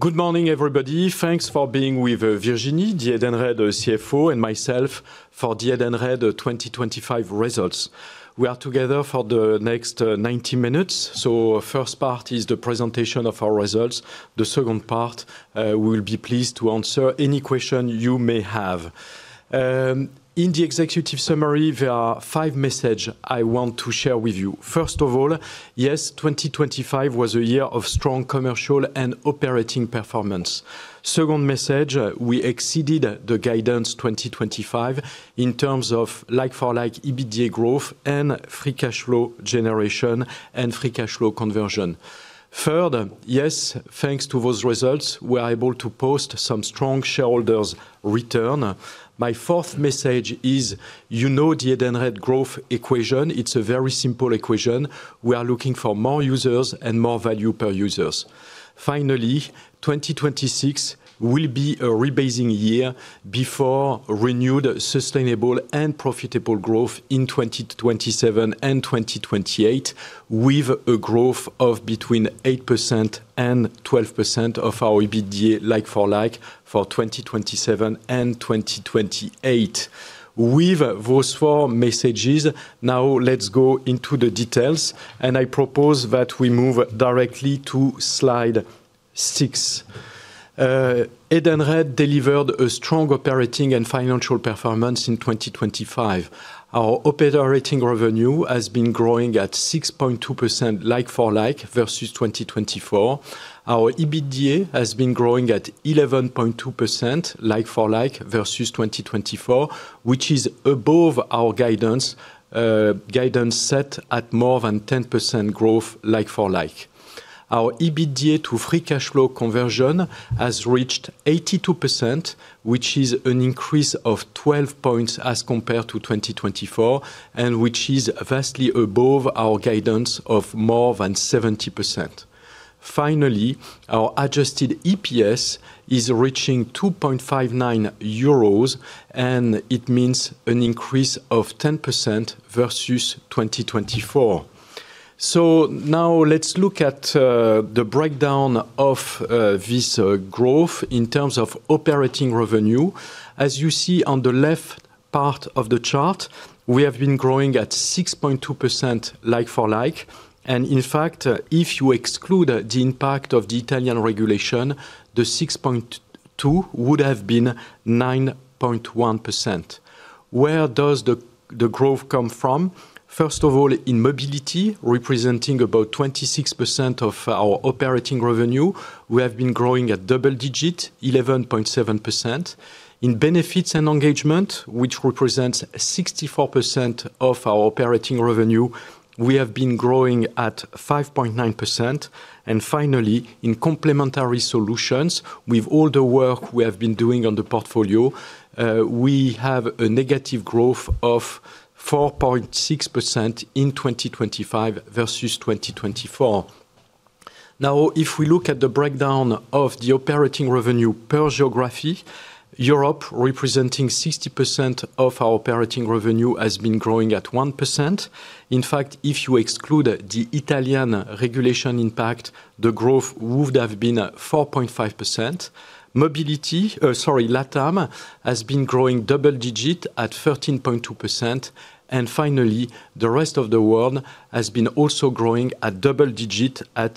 Good morning, everybody. Thanks for being with Virginie, the Edenred CFO, and myself for the Edenred 2025 results. We are together for the next 90 minutes. First part is the presentation of our results. The second part, we'll be pleased to answer any question you may have. In the executive summary, there are 5 message I want to share with you. First of all, yes, 2025 was a year of strong commercial and operating performance. Second message, we exceeded the guidance 2025 in terms of like-for-like EBITDA growth and free cash flow generation and free cash flow conversion. Third, yes, thanks to those results, we are able to post some strong shareholders' return. My fourth message is, you know the Edenred growth equation. It's a very simple equation. We are looking for more users and more value per users. 2026 will be a rebasing year before renewed, sustainable and profitable growth in 20 to 2027 and 2028, with a growth of between 8% and 12% of our EBITDA, like-for-like, for 2027 and 2028. With those four messages, let's go into the details. I propose that we move directly to slide 6. Edenred delivered a strong operating and financial performance in 2025. Our operating revenue has been growing at 6.2% like-for-like versus 2024. Our EBITDA has been growing at 11.2% like-for-like versus 2024, which is above our guidance, guidance set at more than 10% growth like-for-like. Our EBITDA to free cash flow conversion has reached 82%, which is an increase of 12 points as compared to 2024, and which is vastly above our guidance of more than 70%. Finally, our adjusted EPS is reaching 2.59 euros, and it means an increase of 10% versus 2024. Now let's look at the breakdown of this growth in terms of operating revenue. As you see on the left part of the chart, we have been growing at 6.2% like-for-like, and in fact, if you exclude the impact of the Italian regulation, the 6.2 would have been 9.1%. Where does the growth come from? First of all, in Mobility, representing about 26% of our operating revenue, we have been growing at double-digit, 11.7%. In Benefits & Engagement, which represents 64% of our operating revenue, we have been growing at 5.9%. Finally, in complementary solutions, with all the work we have been doing on the portfolio, we have a negative growth of 4.6% in 2025 versus 2024. If we look at the breakdown of the operating revenue per geography, Europe, representing 60% of our operating revenue, has been growing at 1%. If you exclude the Italian regulation impact, the growth would have been 4.5%. Mobility, sorry, LATAM, has been growing double-digit at 13.2%. Finally, the rest of the world has been also growing at double-digit at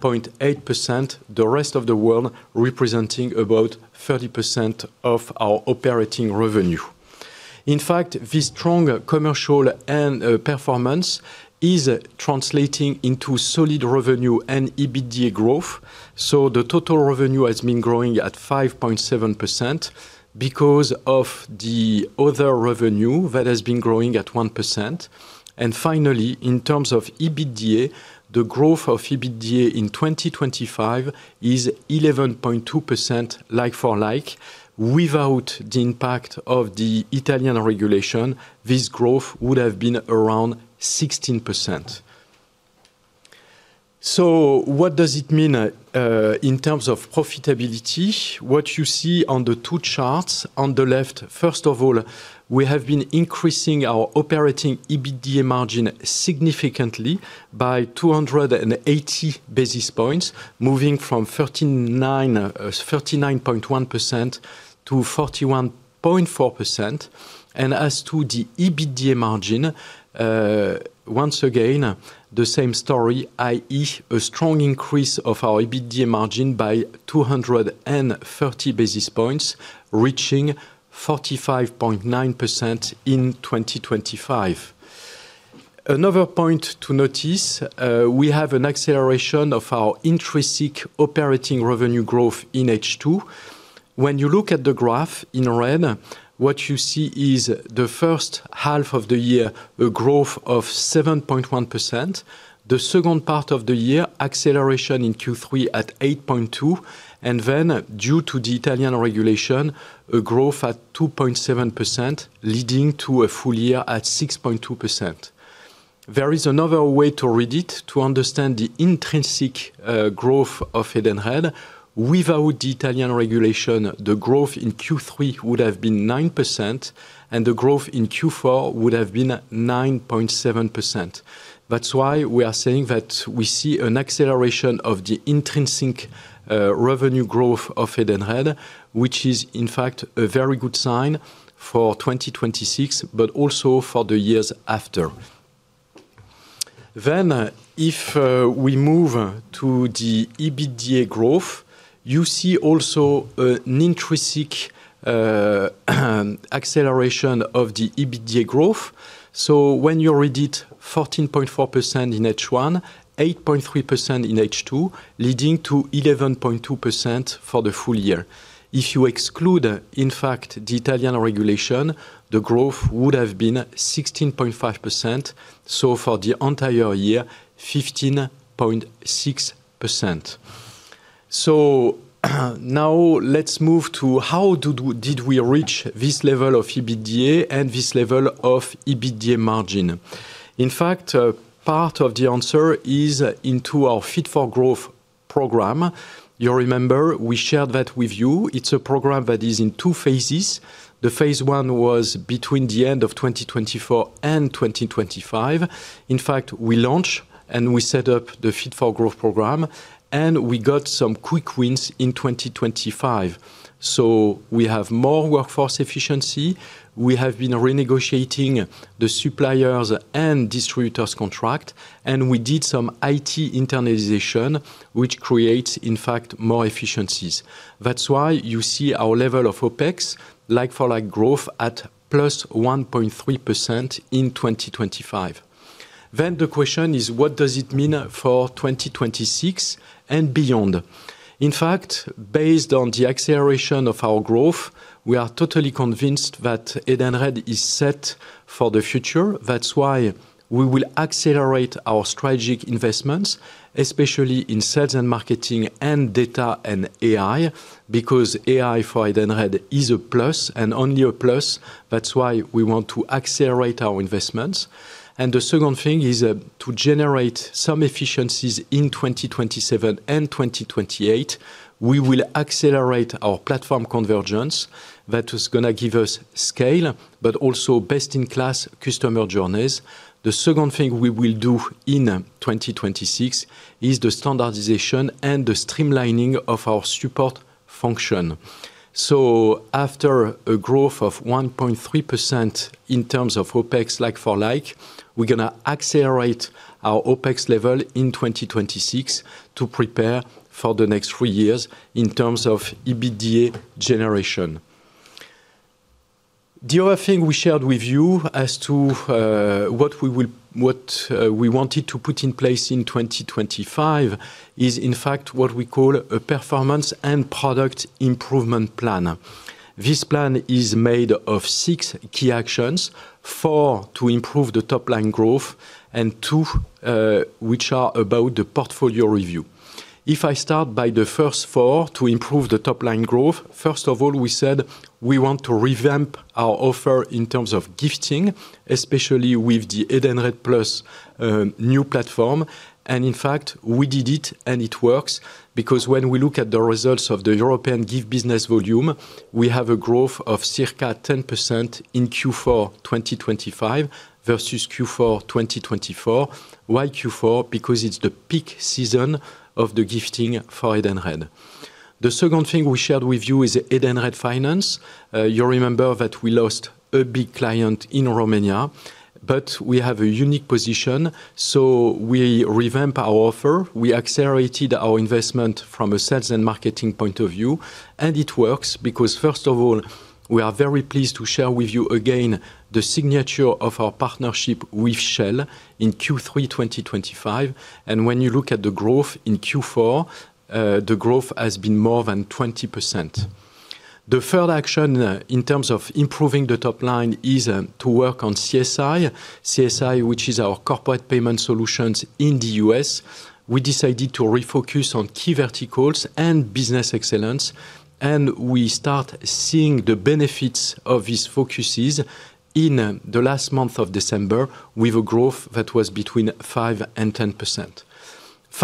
16.8%, the rest of the world representing about 30% of our operating revenue. In fact, this strong commercial and performance is translating into solid revenue and EBITDA growth. The total revenue has been growing at 5.7% because of the other revenue that has been growing at 1%. Finally, in terms of EBITDA, the growth of EBITDA in 2025 is 11.2% like-for-like. Without the impact of the Italian regulation, this growth would have been around 16%. What does it mean in terms of profitability? What you see on the 2 charts, on the left, first of all, we have been increasing our operating EBITDA margin significantly by 280 basis points, moving from 39.1% to 41.4%. As to the EBITDA margin, once again, the same story, i.e., a strong increase of our EBITDA margin by 230 basis points, reaching 45.9% in 2025. Another point to notice, we have an acceleration of our intrinsic operating revenue growth in H2. When you look at the graph in red, what you see is the first half of the year, a growth of 7.1%. The second part of the year, acceleration in Q3 at 8.2, due to the Italian regulation, a growth at 2.7%, leading to a full year at 6.2%. There is another way to read it, to understand the intrinsic growth of Edenred. Without the Italian regulation, the growth in Q3 would have been 9%, and the growth in Q4 would have been 9.7%. We are saying that we see an acceleration of the intrinsic revenue growth of Edenred, which is in fact a very good sign for 2026, but also for the years after. If we move to the EBITDA growth, you see also an intrinsic acceleration of the EBITDA growth. When you read it, 14.4% in H1, 8.3% in H2, leading to 11.2% for the full year. If you exclude, in fact, the Italian regulation, the growth would have been 16.5%. For the entire year, 15.6%. Now let's move to how did we reach this level of EBITDA and this level of EBITDA margin? In fact, part of the answer is into our Fit for Growth program. You remember, we shared that with you. It's a program that is in two phases. The phase one was between the end of 2024 and 2025. In fact, we launched and we set up the Fit for Growth program, and we got some quick wins in 2025. We have more workforce efficiency. We have been renegotiating the suppliers and distributors contract, and we did some IT internalization, which creates, in fact, more efficiencies. That's why you see our level of OpEx, like-for-like growth at +1.3% in 2025. The question is: What does it mean for 2026 and beyond? In fact, based on the acceleration of our growth, we are totally convinced that Edenred is set for the future. That's why we will accelerate our strategic investments, especially in sales and marketing and data and AI, because AI for Edenred is a plus and only a plus. The second thing is to generate some efficiencies in 2027 and 2028. We will accelerate our platform convergence. That is gonna give us scale, but also best-in-class customer journeys. The second thing we will do in 2026 is the standardization and the streamlining of our support function. After a growth of 1.3% in terms of OpEx like for like, we're going to accelerate our OpEx level in 2026 to prepare for the next three years in terms of EBITDA generation. The other thing we shared with you as to what we wanted to put in place in 2025 is, in fact, what we call a performance and product improvement plan. This plan is made of six key actions, four, to improve the top line growth and two, which are about the portfolio review. If I start by the first 4 to improve the top line growth, first of all, we said we want to revamp our offer in terms of gifting, especially with the Edenred Plus new platform. In fact, we did it, and it works, because when we look at the results of the European gift business volume, we have a growth of circa 10% in Q4 2025 versus Q4 2024. Why Q4? Because it's the peak season of the gifting for Edenred. The second thing we shared with you is Edenred Finance. You remember that we lost a big client in Romania, but we have a unique position, so we revamp our offer. We accelerated our investment from a sales and marketing point of view. It works because first of all, we are very pleased to share with you again the signature of our partnership with Shell in Q3 2025. When you look at the growth in Q4, the growth has been more than 20%. The third action in terms of improving the top line is to work on CSI. CSI, which is our corporate payment solutions in the U.S. We decided to refocus on key verticals and business excellence. We start seeing the benefits of these focuses in the last month of December, with a growth that was between 5% and 10%.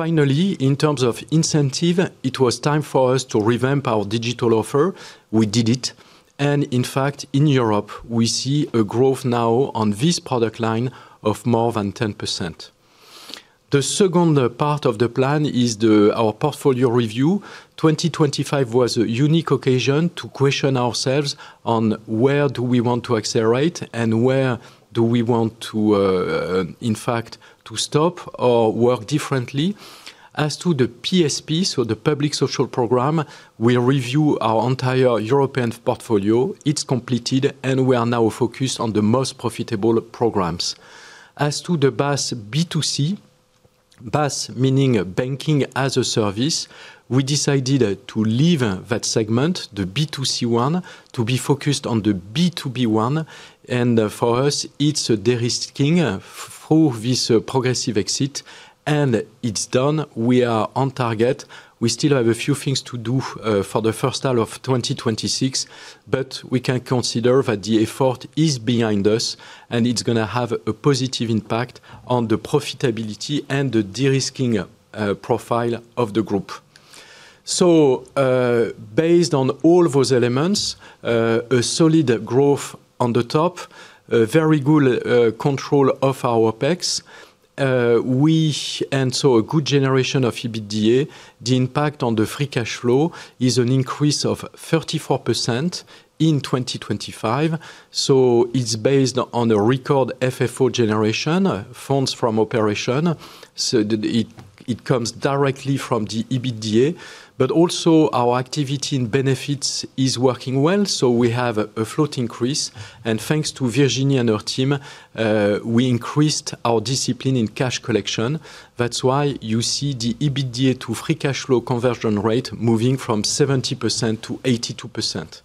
Finally, in terms of incentive, it was time for us to revamp our digital offer. We did it. In fact, in Europe, we see a growth now on this product line of more than 10%. The second part of the plan is our portfolio review. 2025 was a unique occasion to question ourselves on where do we want to accelerate and where do we want to, in fact, to stop or work differently? As to the PSP, so the public social program, we review our entire European portfolio. It's completed. We are now focused on the most profitable programs. As to the BaaS B2C, BaaS meaning Banking-as-a-Service, we decided to leave that segment, the B2C one, to be focused on the B2B one. For us, it's a de-risking for this progressive exit. It's done. We are on target. We still have a few things to do for the first half of 2026, we can consider that the effort is behind us, and it's gonna have a positive impact on the profitability and the de-risking profile of the group. Based on all those elements, a solid growth on the top, a very good control of our OpEx. A good generation of EBITDA, the impact on the free cash flow is an increase of 34% in 2025. It's based on a record FFO generation, funds from operation, so that it comes directly from the EBITDA. Also our activity and benefits is working well, we have a float increase, and thanks to Virginie and her team, we increased our discipline in cash collection. That's why you see the EBITDA to free cash flow conversion rate moving from 70% to 82%.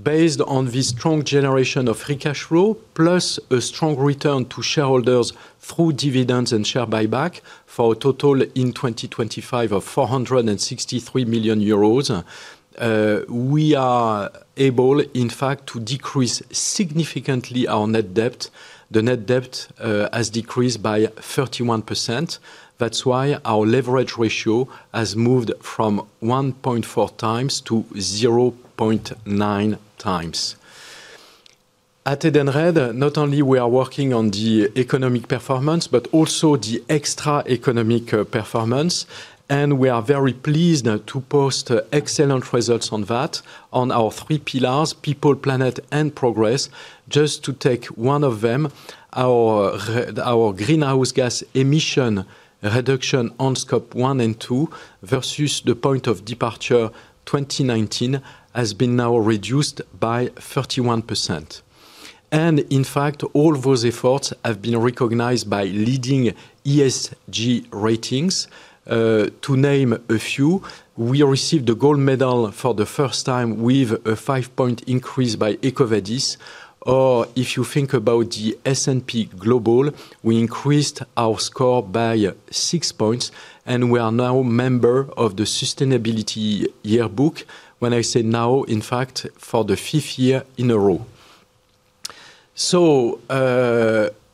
Based on this strong generation of free cash flow, plus a strong return to shareholders through dividends and share buyback, for a total in 2025 of 463 million euros, we are able, in fact, to decrease significantly our net debt. The net debt has decreased by 31%. That's why our leverage ratio has moved from 1.4 times to 0.9 times. At Edenred, not only we are working on the economic performance, but also the extra economic performance, and we are very pleased now to post excellent results on that, on our three pillars: people, planet, and progress. Just to take one of them, our greenhouse gas emission reduction on Scope 1 and 2 versus the point of departure, 2019, has been now reduced by 31%. In fact, all those efforts have been recognized by leading ESG ratings. To name a few, we received a gold medal for the first time with a five-point increase by EcoVadis, or if you think about the S&P Global, we increased our score by six points, and we are now member of the Sustainability Yearbook. When I say now, in fact, for the fifth year in a row.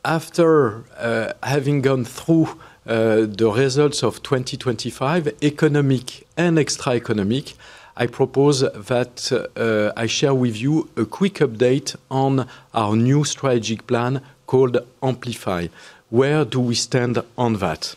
After having gone through the results of 2025, economic and extra economic, I propose that I share with you a quick update on our new strategic plan called Amplify. Where do we stand on that?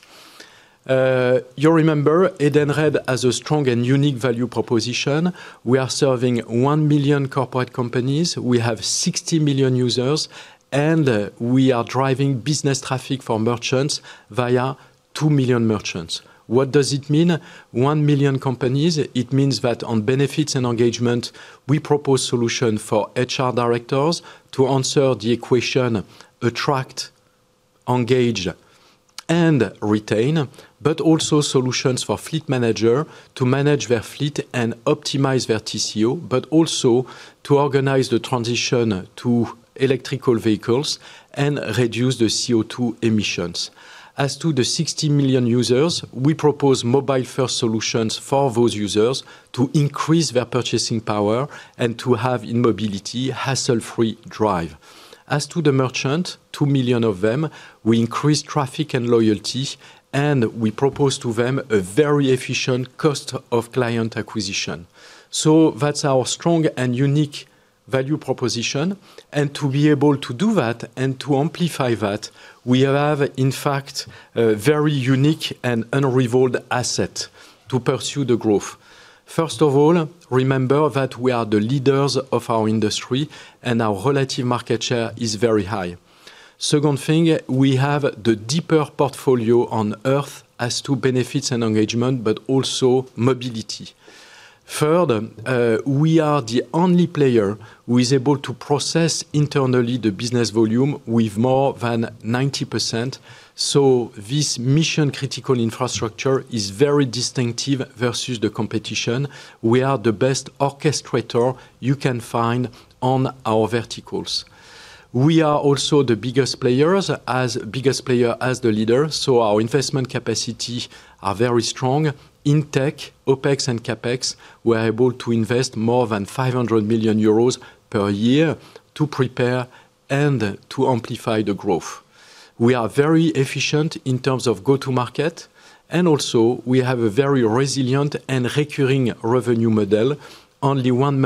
You remember, Edenred has a strong and unique value proposition. We are serving 1 million corporate companies. We have 60 million users, and we are driving business traffic for merchants via 2 million merchants. What does it mean, 1 million companies? It means that on Benefits & Engagement, we propose solution for HR directors to answer the equation: attract, engage, and retain. Also solutions for fleet manager to manage their fleet and optimize their TCO, but also to organize the transition to electrical vehicles and reduce the CO2 emissions. As to the 60 million users, we propose mobile-first solutions for those users to increase their purchasing power and to have in Mobility, hassle-free drive. As to the merchant, 2 million of them, we increase traffic and loyalty, and we propose to them a very efficient cost of client acquisition. That's our strong and unique value proposition, to be able to do that and to amplify that, we have, in fact, a very unique and unrivaled asset to pursue the growth. First of all, remember that we are the leaders of our industry, and our relative market share is very high. Second thing, we have the deeper portfolio on Earth as to Benefits & Engagement, but also Mobility. Further, we are the only player who is able to process internally the business volume with more than 90%, this mission-critical infrastructure is very distinctive versus the competition. We are the best orchestrator you can find on our verticals. We are also the biggest player as the leader, our investment capacity are very strong. In tech, OpEx and CapEx, we're able to invest more than 500 million euros per year to prepare and to amplify the growth. We are very efficient in terms of go-to-market, and also we have a very resilient and recurring revenue model. Only one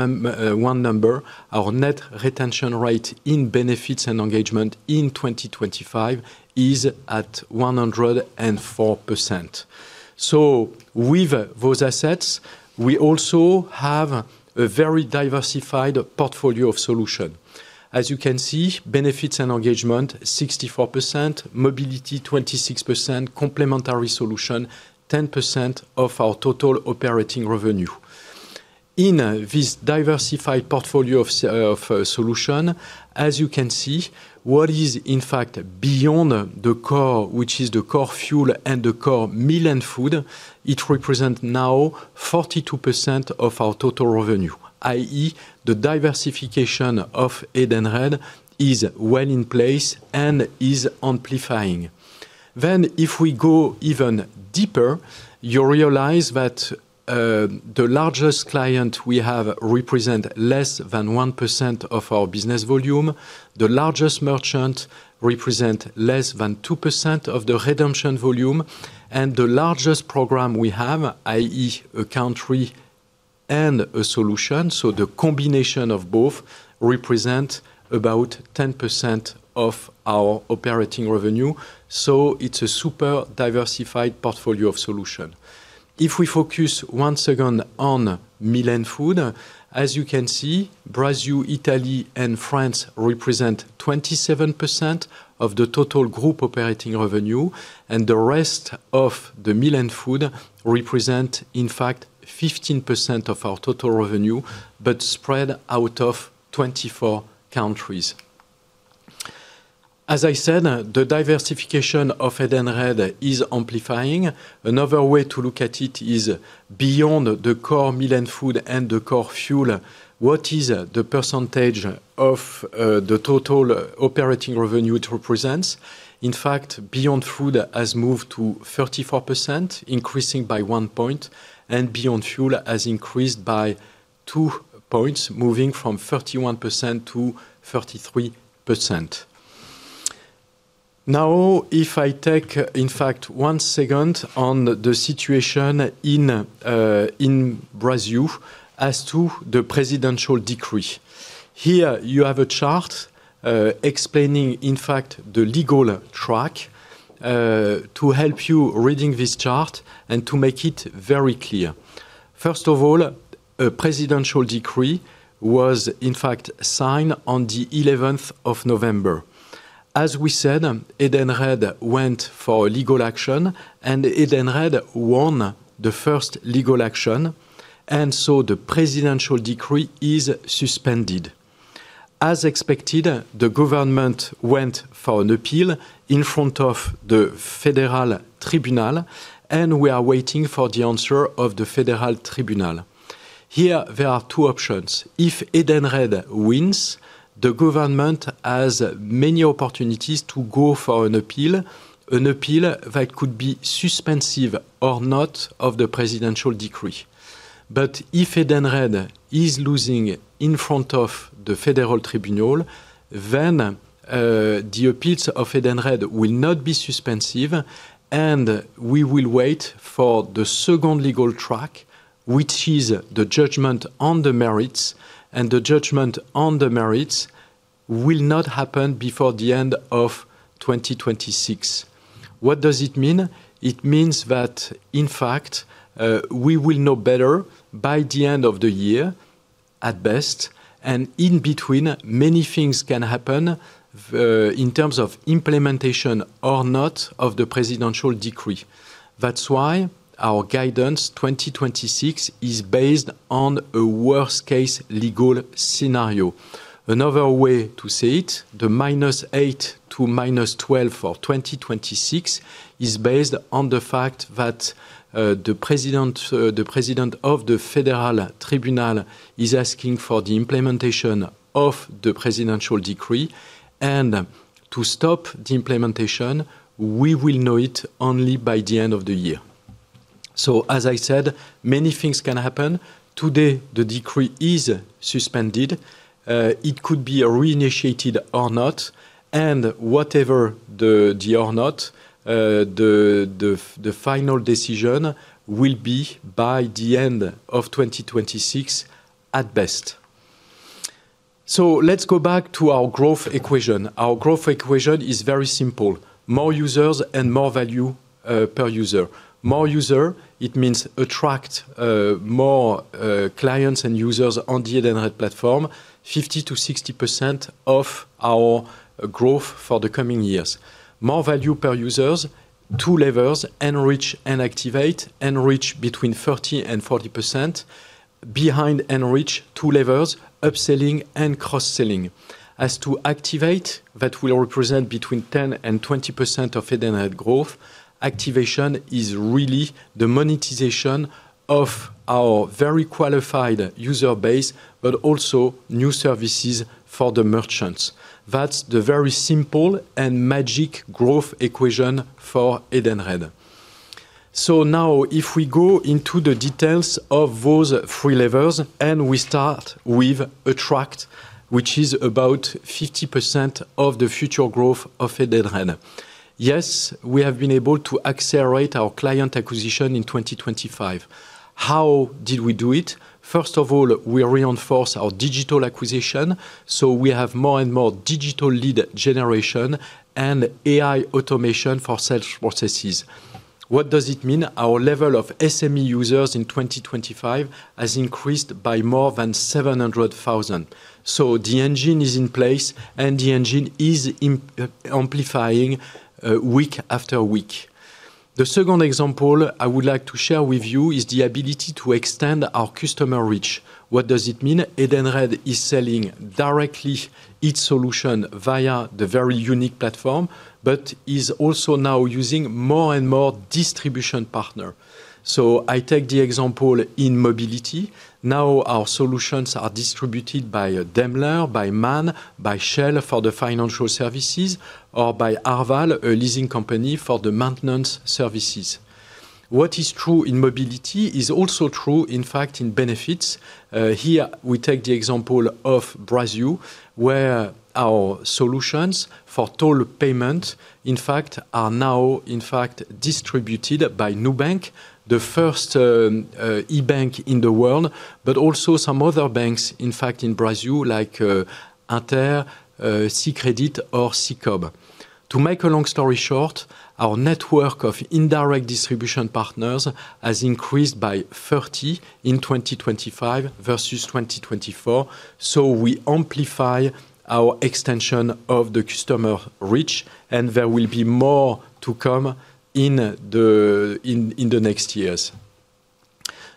number, our net retention rate in Benefits & Engagement in 2025 is at 104%. With those assets, we also have a very diversified portfolio of solution. As you can see, Benefits & Engagement, 64%, Mobility, 26%, complementary solution, 10% of our total operating revenue. In this diversified portfolio of solution, as you can see, what is in fact beyond the core, which is the core fuel and the core meal and food, it represent now 42% of our total revenue, i.e., the diversification of Edenred is well in place and is amplifying. If we go even deeper, you realize that the largest client we have represent less than 1% of our business volume. The largest merchant represent less than 2% of the redemption volume, and the largest program we have, i.e., a country and a solution, the combination of both represent about 10% of our operating revenue. It's a super diversified portfolio of solution. If we focus 1 second on meal and food, as you can see, Brazil, Italy, and France represent 27% of the total group operating revenue, and the rest of the meal and food represent, in fact, 15% of our total revenue, but spread out of 24 countries. As I said, the diversification of Edenred is amplifying. Another way to look at it is beyond the core meal and food and the core fuel, what is the percentage of the total operating revenue it represents? In fact, Beyond Food has moved to 34%, increasing by 1 point, and Beyond Fuel has increased by 2 points, moving from 31% to 33%. If I take in fact, 1 second on the situation in Brazil, as to the presidential decree. Here you have a chart, explaining, in fact, the legal track, to help you reading this chart and to make it very clear. First of all, a presidential decree was in fact signed on the eleventh of November. As we said, Edenred went for a legal action, and Edenred won the first legal action, and so the presidential decree is suspended. As expected, the government went for an appeal in front of the Federal Tribunal, and we are waiting for the answer of the Federal Tribunal. Here, there are two options. If Edenred wins, the government has many opportunities to go for an appeal, an appeal that could be suspensive or not of the presidential decree. If Edenred is losing in front of the Federal Tribunal, then the appeals of Edenred will not be suspensive, and we will wait for the second legal track, which is the judgment on the merits, and the judgment on the merits will not happen before the end of 2026. What does it mean? It means that, in fact, we will know better by the end of the year, at best, and in between, many things can happen, in terms of implementation or not of the presidential decree. That's why our guidance 2026 is based on a worst-case legal scenario. Another way to say it, the -8 to -12 for 2026 is based on the fact that the president, the president of the Federal Tribunal is asking for the implementation of the presidential decree, and to stop the implementation, we will know it only by the end of the year. As I said, many things can happen. Today, the decree is suspended. It could be reinitiated or not, and whatever the or not, the final decision will be by the end of 2026 at best. Let's go back to our growth equation. Our growth equation is very simple: more users and more value per user. More user, it means attract more clients and users on the Edenred platform, 50%-60% of our growth for the coming years. More value per users, two levels, enrich and activate, enrich between 30% and 40%. Behind enrich, two levels, upselling and cross-selling. To activate, that will represent between 10% and 20% of Edenred growth. Activation is really the monetization of our very qualified user base, but also new services for the merchants. That's the very simple and magic growth equation for Edenred. Now, if we go into the details of those three levels, and we start with attract, which is about 50% of the future growth of Edenred. Yes, we have been able to accelerate our client acquisition in 2025. How did we do it? First of all, we reinforce our digital acquisition, so we have more and more digital lead generation and AI automation for sales processes. What does it mean? Our level of SME users in 2025 has increased by more than 700,000. The engine is in place, and the engine is amplifying week after week. The second example I would like to share with you is the ability to extend our customer reach. What does it mean? Edenred is selling directly its solution via the very unique platform, is also now using more and more distribution partner. I take the example in Mobility. Now, our solutions are distributed by Daimler, by Man, by Shell, for the financial services, or by Arval, a leasing company, for the maintenance services. What is true in Mobility is also true, in fact, in benefits. Here we take the example of Brazil, where our solutions for toll payment, in fact, are now, in fact, distributed by Nubank, the first, e-bank in the world, but also some other banks, in fact, in Brazil, like, Inter, Sicredi or Sicoob. To make a long story short, our network of indirect distribution partners has increased by 30 in 2025 versus 2024. We amplify our extension of the customer reach, and there will be more to come in the next years.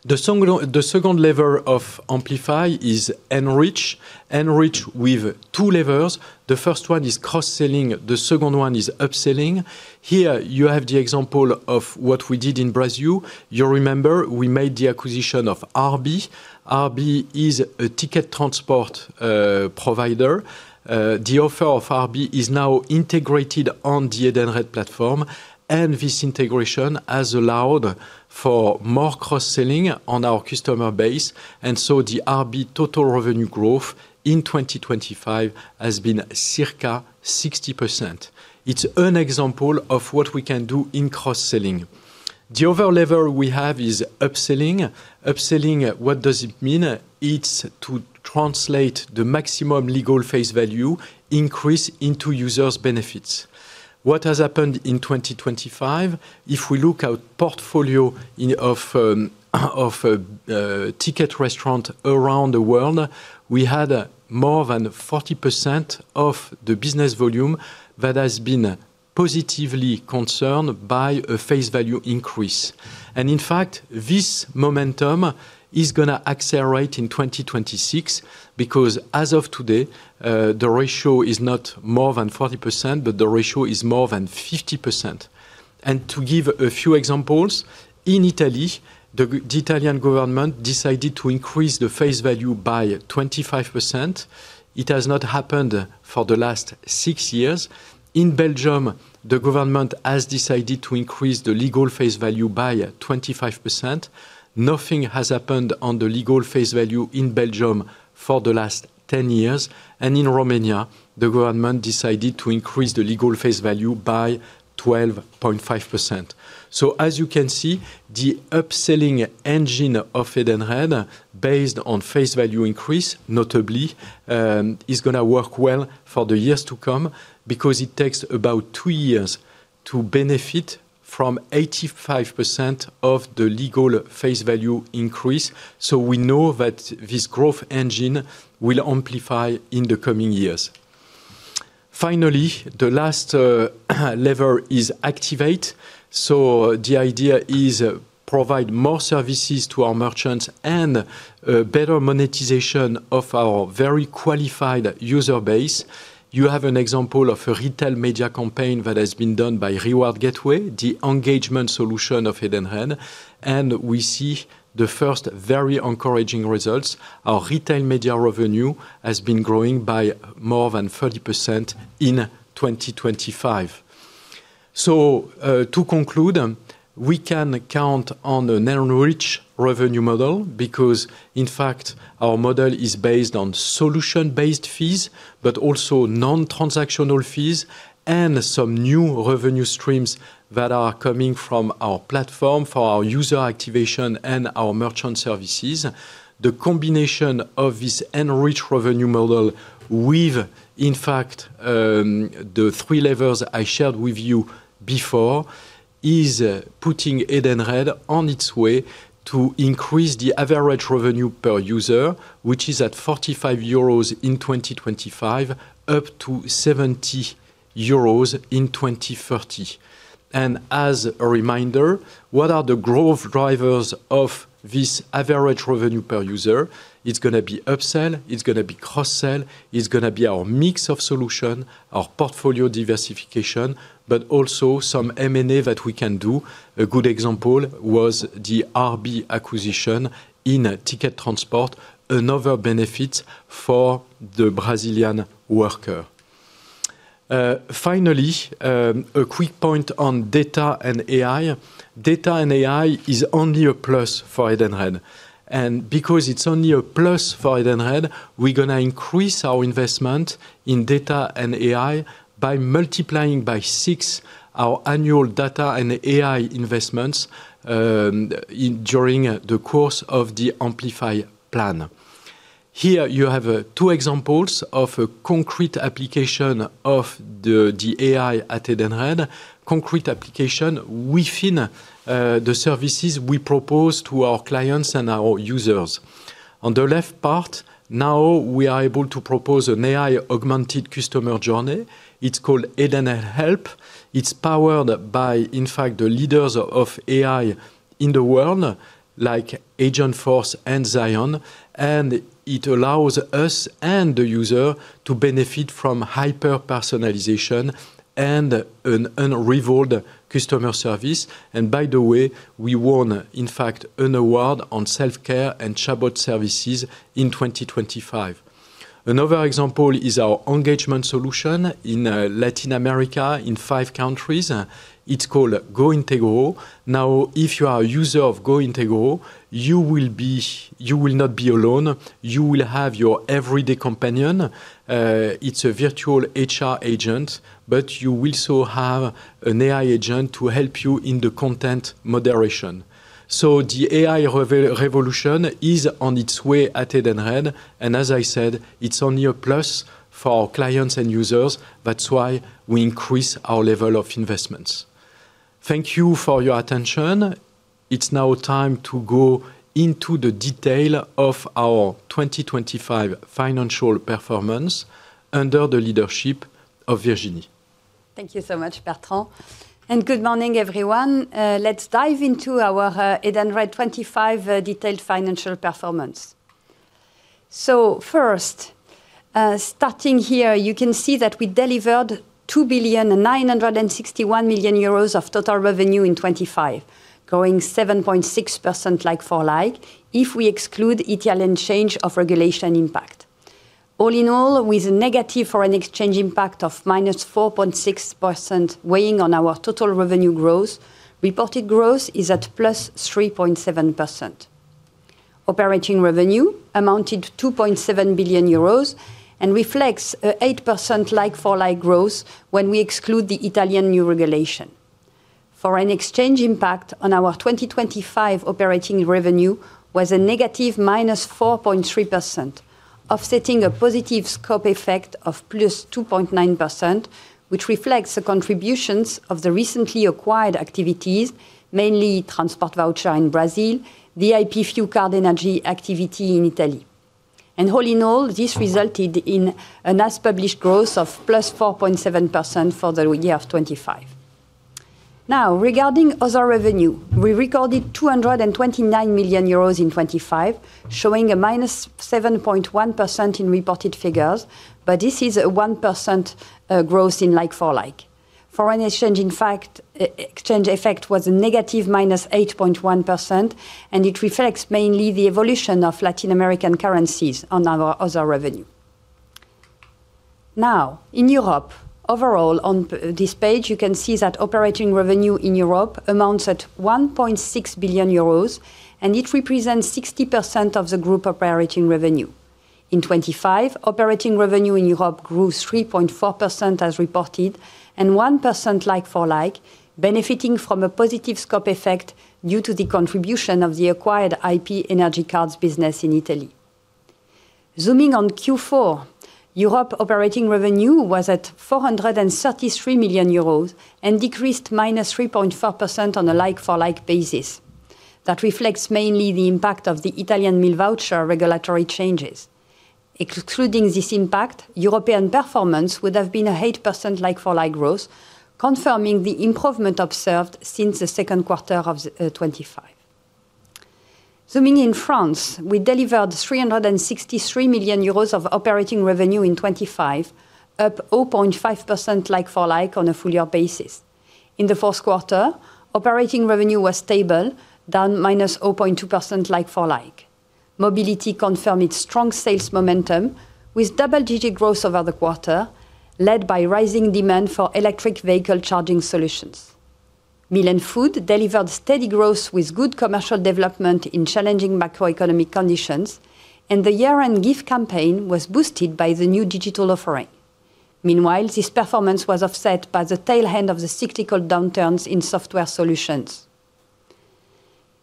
The second lever of Amplify is enrich. Enrich with two levers. The first one is cross-selling, the second one is upselling. Here, you have the example of what we did in Brazil. You remember we made the acquisition of RB. RB is a ticket transport, provider. The offer of RB is now integrated on the Edenred platform. This integration has allowed for more cross-selling on our customer base. The RB total revenue growth in 2025 has been circa 60%. It's an example of what we can do in cross-selling. The other lever we have is upselling. Upselling, what does it mean? It's to translate the maximum legal face value increase into users' benefits. What has happened in 2025? If we look at portfolio in of Ticket Restaurant around the world, we had more than 40% of the business volume that has been positively concerned by a face value increase. In fact, this momentum is going to accelerate in 2026, because as of today, the ratio is not more than 40%, but the ratio is more than 50%. To give a few examples, in Italy, the Italian government decided to increase the face value by 25%. It has not happened for the last 6 years. In Belgium, the government has decided to increase the legal face value by 25%. Nothing has happened on the legal face value in Belgium for the last 10 years. In Romania, the government decided to increase the legal face value by 12.5%. As you can see, the upselling engine of Edenred, based on face value increase, notably, is going to work well for the years to come because it takes about 2 years to benefit from 85% of the legal face value increase. We know that this growth engine will amplify in the coming years. Finally, the last lever is activate. The idea is provide more services to our merchants and better monetization of our very qualified user base. You have an example of a retail media campaign that has been done by Reward Gateway, the engagement solution of Edenred, and we see the first very encouraging results. Our retail media revenue has been growing by more than 30% in 2025. To conclude, we can count on an enrich revenue model because, in fact, our model is based on solution-based fees, but also non-transactional fees and some new revenue streams that are coming from our platform for our user activation and our merchant services. The combination of this enrich revenue model with, in fact, the three levers I shared with you before, is putting Edenred on its way to increase the average revenue per user, which is at 45 euros in 2025, up to 70 euros in 2030. As a reminder, what are the growth drivers of this average revenue per user? It's going to be upsell, it's going to be cross-sell, it's going to be our mix of solution, our portfolio diversification, but also some M&A that we can do. A good example was the RB acquisition in ticket transport, another benefit for the Brazilian worker. Finally, a quick point on data and AI. Data and AI is only a plus for Edenred. Because it's only a plus for Edenred, we're going to increase our investment in data and AI by multiplying by 6 our annual data and AI investments during the course of the Amplify plan. Here you have two examples of a concrete application of the AI at Edenred. Concrete application within the services we propose to our clients and our users. On the left part, now we are able to propose an AI-augmented customer journey. It's called Eden Help. It's powered by, in fact, the leaders of AI in the world, like Agentforce and Zion, and it allows us and the user to benefit from hyper-personalization and an unrivaled customer service. By the way, we won, in fact, an award on self-care and chatbot services in 2025. Another example is our engagement solution in Latin America in five countries, it's called GOintegro. If you are a user of GOintegro, you will not be alone. You will have your everyday companion. It's a virtual HR agent, but you will also have an AI agent to help you in the content moderation. The AI revolution is on its way at Edenred, and as I said, it's only a plus for our clients and users. That's why we increase our level of investments. Thank you for your attention. It's now time to go into the detail of our 2025 financial performance under the leadership of Virginie. Thank you so much, Bertrand, and good morning, everyone. Let's dive into our Edenred 25 detailed financial performance. First, starting here, you can see that we delivered 2.961 billion of total revenue in 2025, growing 7.6% like-for-like, if we exclude Italian change of regulation impact. All in all, with a negative foreign exchange impact of -4.6% weighing on our total revenue growth, reported growth is at +3.7%. Operating revenue amounted to 2.7 billion euros and reflects 8% like-for-like growth when we exclude the Italian new regulation. Foreign exchange impact on our 2025 operating revenue was a -4.3%, offsetting a positive scope effect of +2.9%, which reflects the contributions of the recently acquired activities, mainly transport voucher in Brazil, VIP fuel card energy activity in Italy. All in all, this resulted in an as-published growth of +4.7% for the year of 25. Regarding other revenue, we recorded 229 million euros in 25, showing a -7.1% in reported figures, this is a 1% growth in like-for-like. Foreign exchange, in fact, exchange effect was a -8.1%, it reflects mainly the evolution of Latin American currencies on our other revenue. In Europe, overall, on this page, you can see that operating revenue in Europe amounts at 1.6 billion euros, and it represents 60% of the group operating revenue. In 2025, operating revenue in Europe grew 3.4% as reported, and 1% like-for-like, benefiting from a positive scope effect due to the contribution of the acquired IP energy cards business in Italy. Zooming on Q4, Europe operating revenue was at 433 million euros and decreased -3.4% on a like-for-like basis. That reflects mainly the impact of the Italian meal voucher regulatory changes. Excluding this impact, European performance would have been an 8% like-for-like growth, confirming the improvement observed since the second quarter of 2025. Zooming in France, we delivered 363 million euros of operating revenue in 2025, up 0.5% like-for-like on a full year basis. In the fourth quarter, operating revenue was stable, down -0.2% like-for-like. Mobility confirmed its strong sales momentum with double-digit growth over the quarter, led by rising demand for electric vehicle charging solutions. Meal and food delivered steady growth with good commercial development in challenging macroeconomic conditions, and the year-end gift campaign was boosted by the new digital offering. This performance was offset by the tail end of the cyclical downturns in software solutions.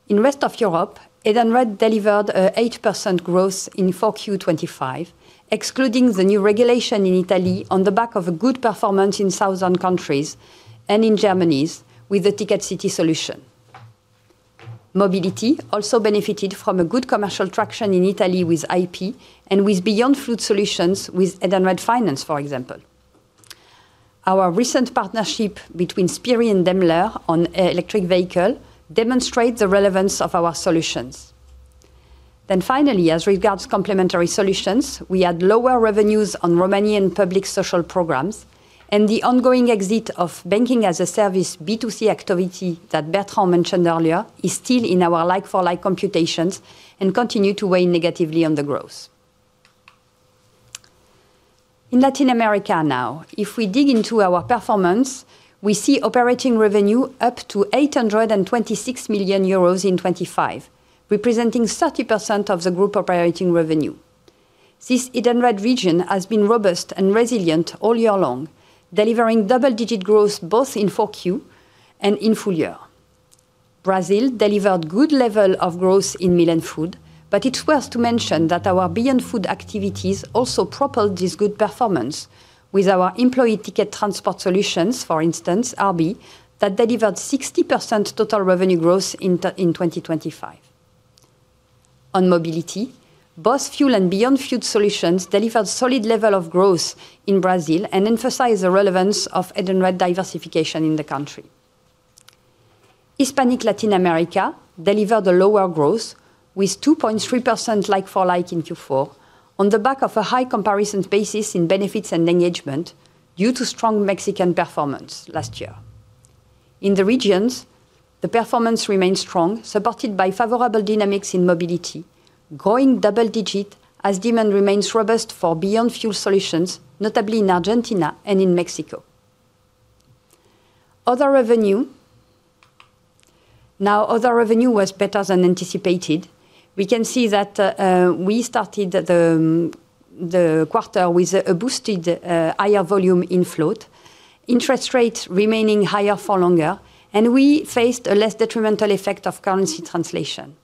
In rest of Europe, Edenred delivered an 8% growth in 4Q 2025, excluding the new regulation in Italy on the back of a good performance in southern countries and in Germany with the Ticket City solution. Mobility also benefited from a good commercial traction in Italy with IP and with Beyond Food solutions, with Edenred Finance, for example. Our recent partnership between Spirii and Daimler on electric vehicle demonstrates the relevance of our solutions. Finally, as regards complementary solutions, we had lower revenues on Romanian public social programs, and the ongoing exit of Banking-as-a-Service B2C activity that Bertrand mentioned earlier is still in our like-for-like computations and continue to weigh negatively on the growth. In Latin America now, if we dig into our performance, we see operating revenue up to 826 million euros in 2025, representing 30% of the group operating revenue. This Edenred region has been robust and resilient all year long, delivering double-digit growth both in 4Q and in full year. Brazil delivered good level of growth in meal and food, but it's worth to mention that our Beyond Food activities also propelled this good performance with our employee ticket transport solutions, for instance, RB, that delivered 60% total revenue growth in 2025. On Mobility, both Fuel and Beyond Fuel solutions delivered solid level of growth in Brazil and emphasized the relevance of Edenred diversification in the country. Hispanic Latin America delivered a lower growth with 2.3% like-for-like in Q4, on the back of a high comparison basis in benefits and engagement due to strong Mexican performance last year. In the regions, the performance remains strong, supported by favorable dynamics in Mobility, growing double digit as demand remains robust for Beyond Fuel solutions, notably in Argentina and in Mexico. Other revenue. Other revenue was better than anticipated. We can see that we started the quarter with a boosted higher volume in float, interest rates remaining higher for longer, and we faced a less detrimental effect of currency translation.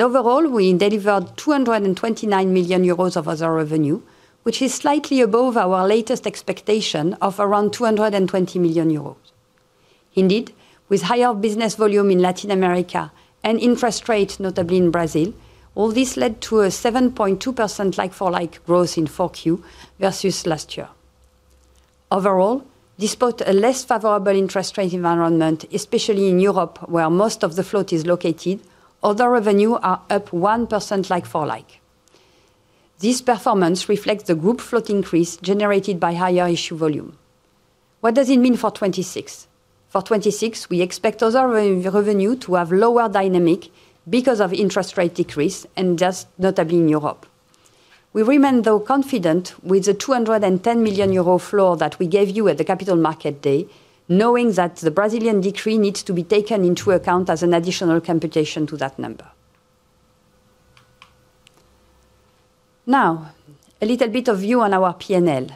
Overall, we delivered 229 million euros of other revenue, which is slightly above our latest expectation of around 220 million euros. Indeed, with higher business volume in Latin America and interest rates, notably in Brazil, all this led to a 7.2% like-for-like growth in 4Q versus last year. Overall, despite a less favorable interest rate environment, especially in Europe, where most of the float is located, other revenue are up 1% like-for-like. This performance reflects the group float increase generated by higher issue volume. What does it mean for 2026? For 2026, we expect other revenue to have lower dynamic because of interest rate decrease, notably in Europe. We remain, though, confident with the 210 million euro flow that we gave you at the Capital Market Day, knowing that the Brazilian decree needs to be taken into account as an additional computation to that number. A little bit of view on our P&L.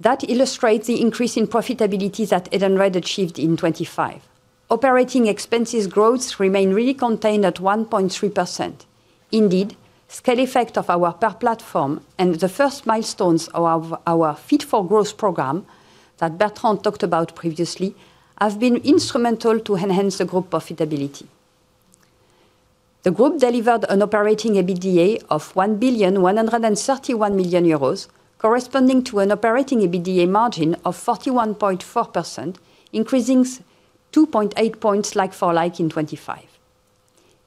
That illustrates the increase in profitability that Edenred achieved in 2025. Operating expenses growth remain really contained at 1.3%. Scale effect of our per platform and the first milestones of our Fit for Growth program, that Bertrand talked about previously, have been instrumental to enhance the group profitability. The group delivered an operating EBITDA of 1,131 million euros, corresponding to an operating EBITDA margin of 41.4%, increasing 2.8 points like-for-like in 2025.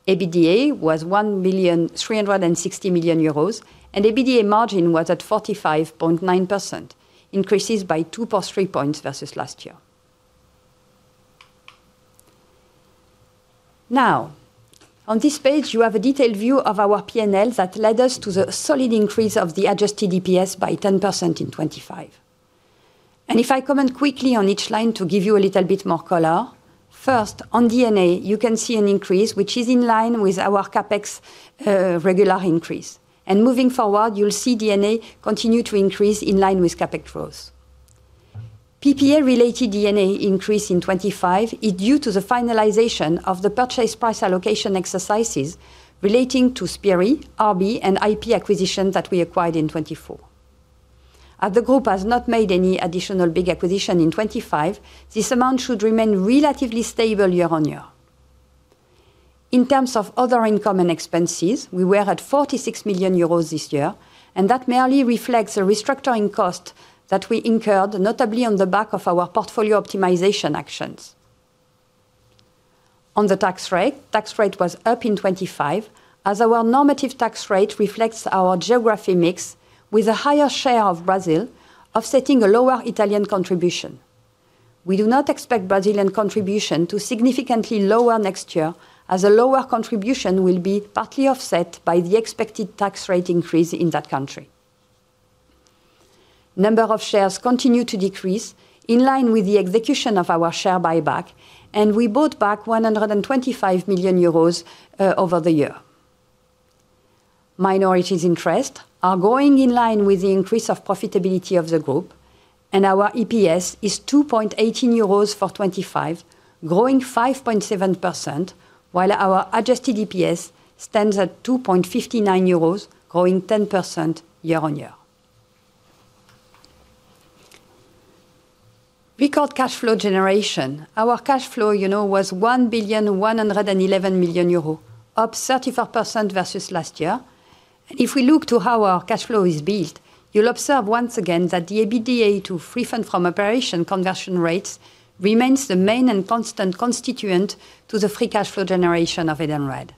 EBITDA was 361 million euros, EBITDA margin was at 45.9%, increases by 2 + 3 points versus last year. On this page, you have a detailed view of our P&L that led us to the solid increase of the adjusted DPS by 10% in 2025. If I comment quickly on each line to give you a little bit more color. First, on D&A, you can see an increase, which is in line with our CapEx regular increase. Moving forward, you'll see D&A continue to increase in line with CapEx growth. PPA-related D&A increase in 2025 is due to the finalization of the purchase price allocation exercises relating to Spirii, RB, and IP acquisitions that we acquired in 2024. As the group has not made any additional big acquisition in 2025, this amount should remain relatively stable year-on-year. In terms of other income and expenses, we were at 46 million euros this year. That merely reflects a restructuring cost that we incurred, notably on the back of our portfolio optimization actions. On the tax rate, tax rate was up in 2025, as our normative tax rate reflects our geography mix with a higher share of Brazil, offsetting a lower Italian contribution. We do not expect Brazilian contribution to significantly lower next year, as a lower contribution will be partly offset by the expected tax rate increase in that country. Number of shares continue to decrease in line with the execution of our share buyback. We bought back 125 million euros over the year. Minorities interest are going in line with the increase of profitability of the group, and our EPS is 2.18 euros for 2025, growing 5.7%, while our adjusted DPS stands at 2.59 euros, growing 10% year-on-year. We called cash flow generation. Our cash flow, you know, was 1,111 million euros, up 35% versus last year. If we look to how our cash flow is built, you'll observe once again that the EBITDA to free fund from operation conversion rates remains the main and constant constituent to the free cash flow generation of Edenred.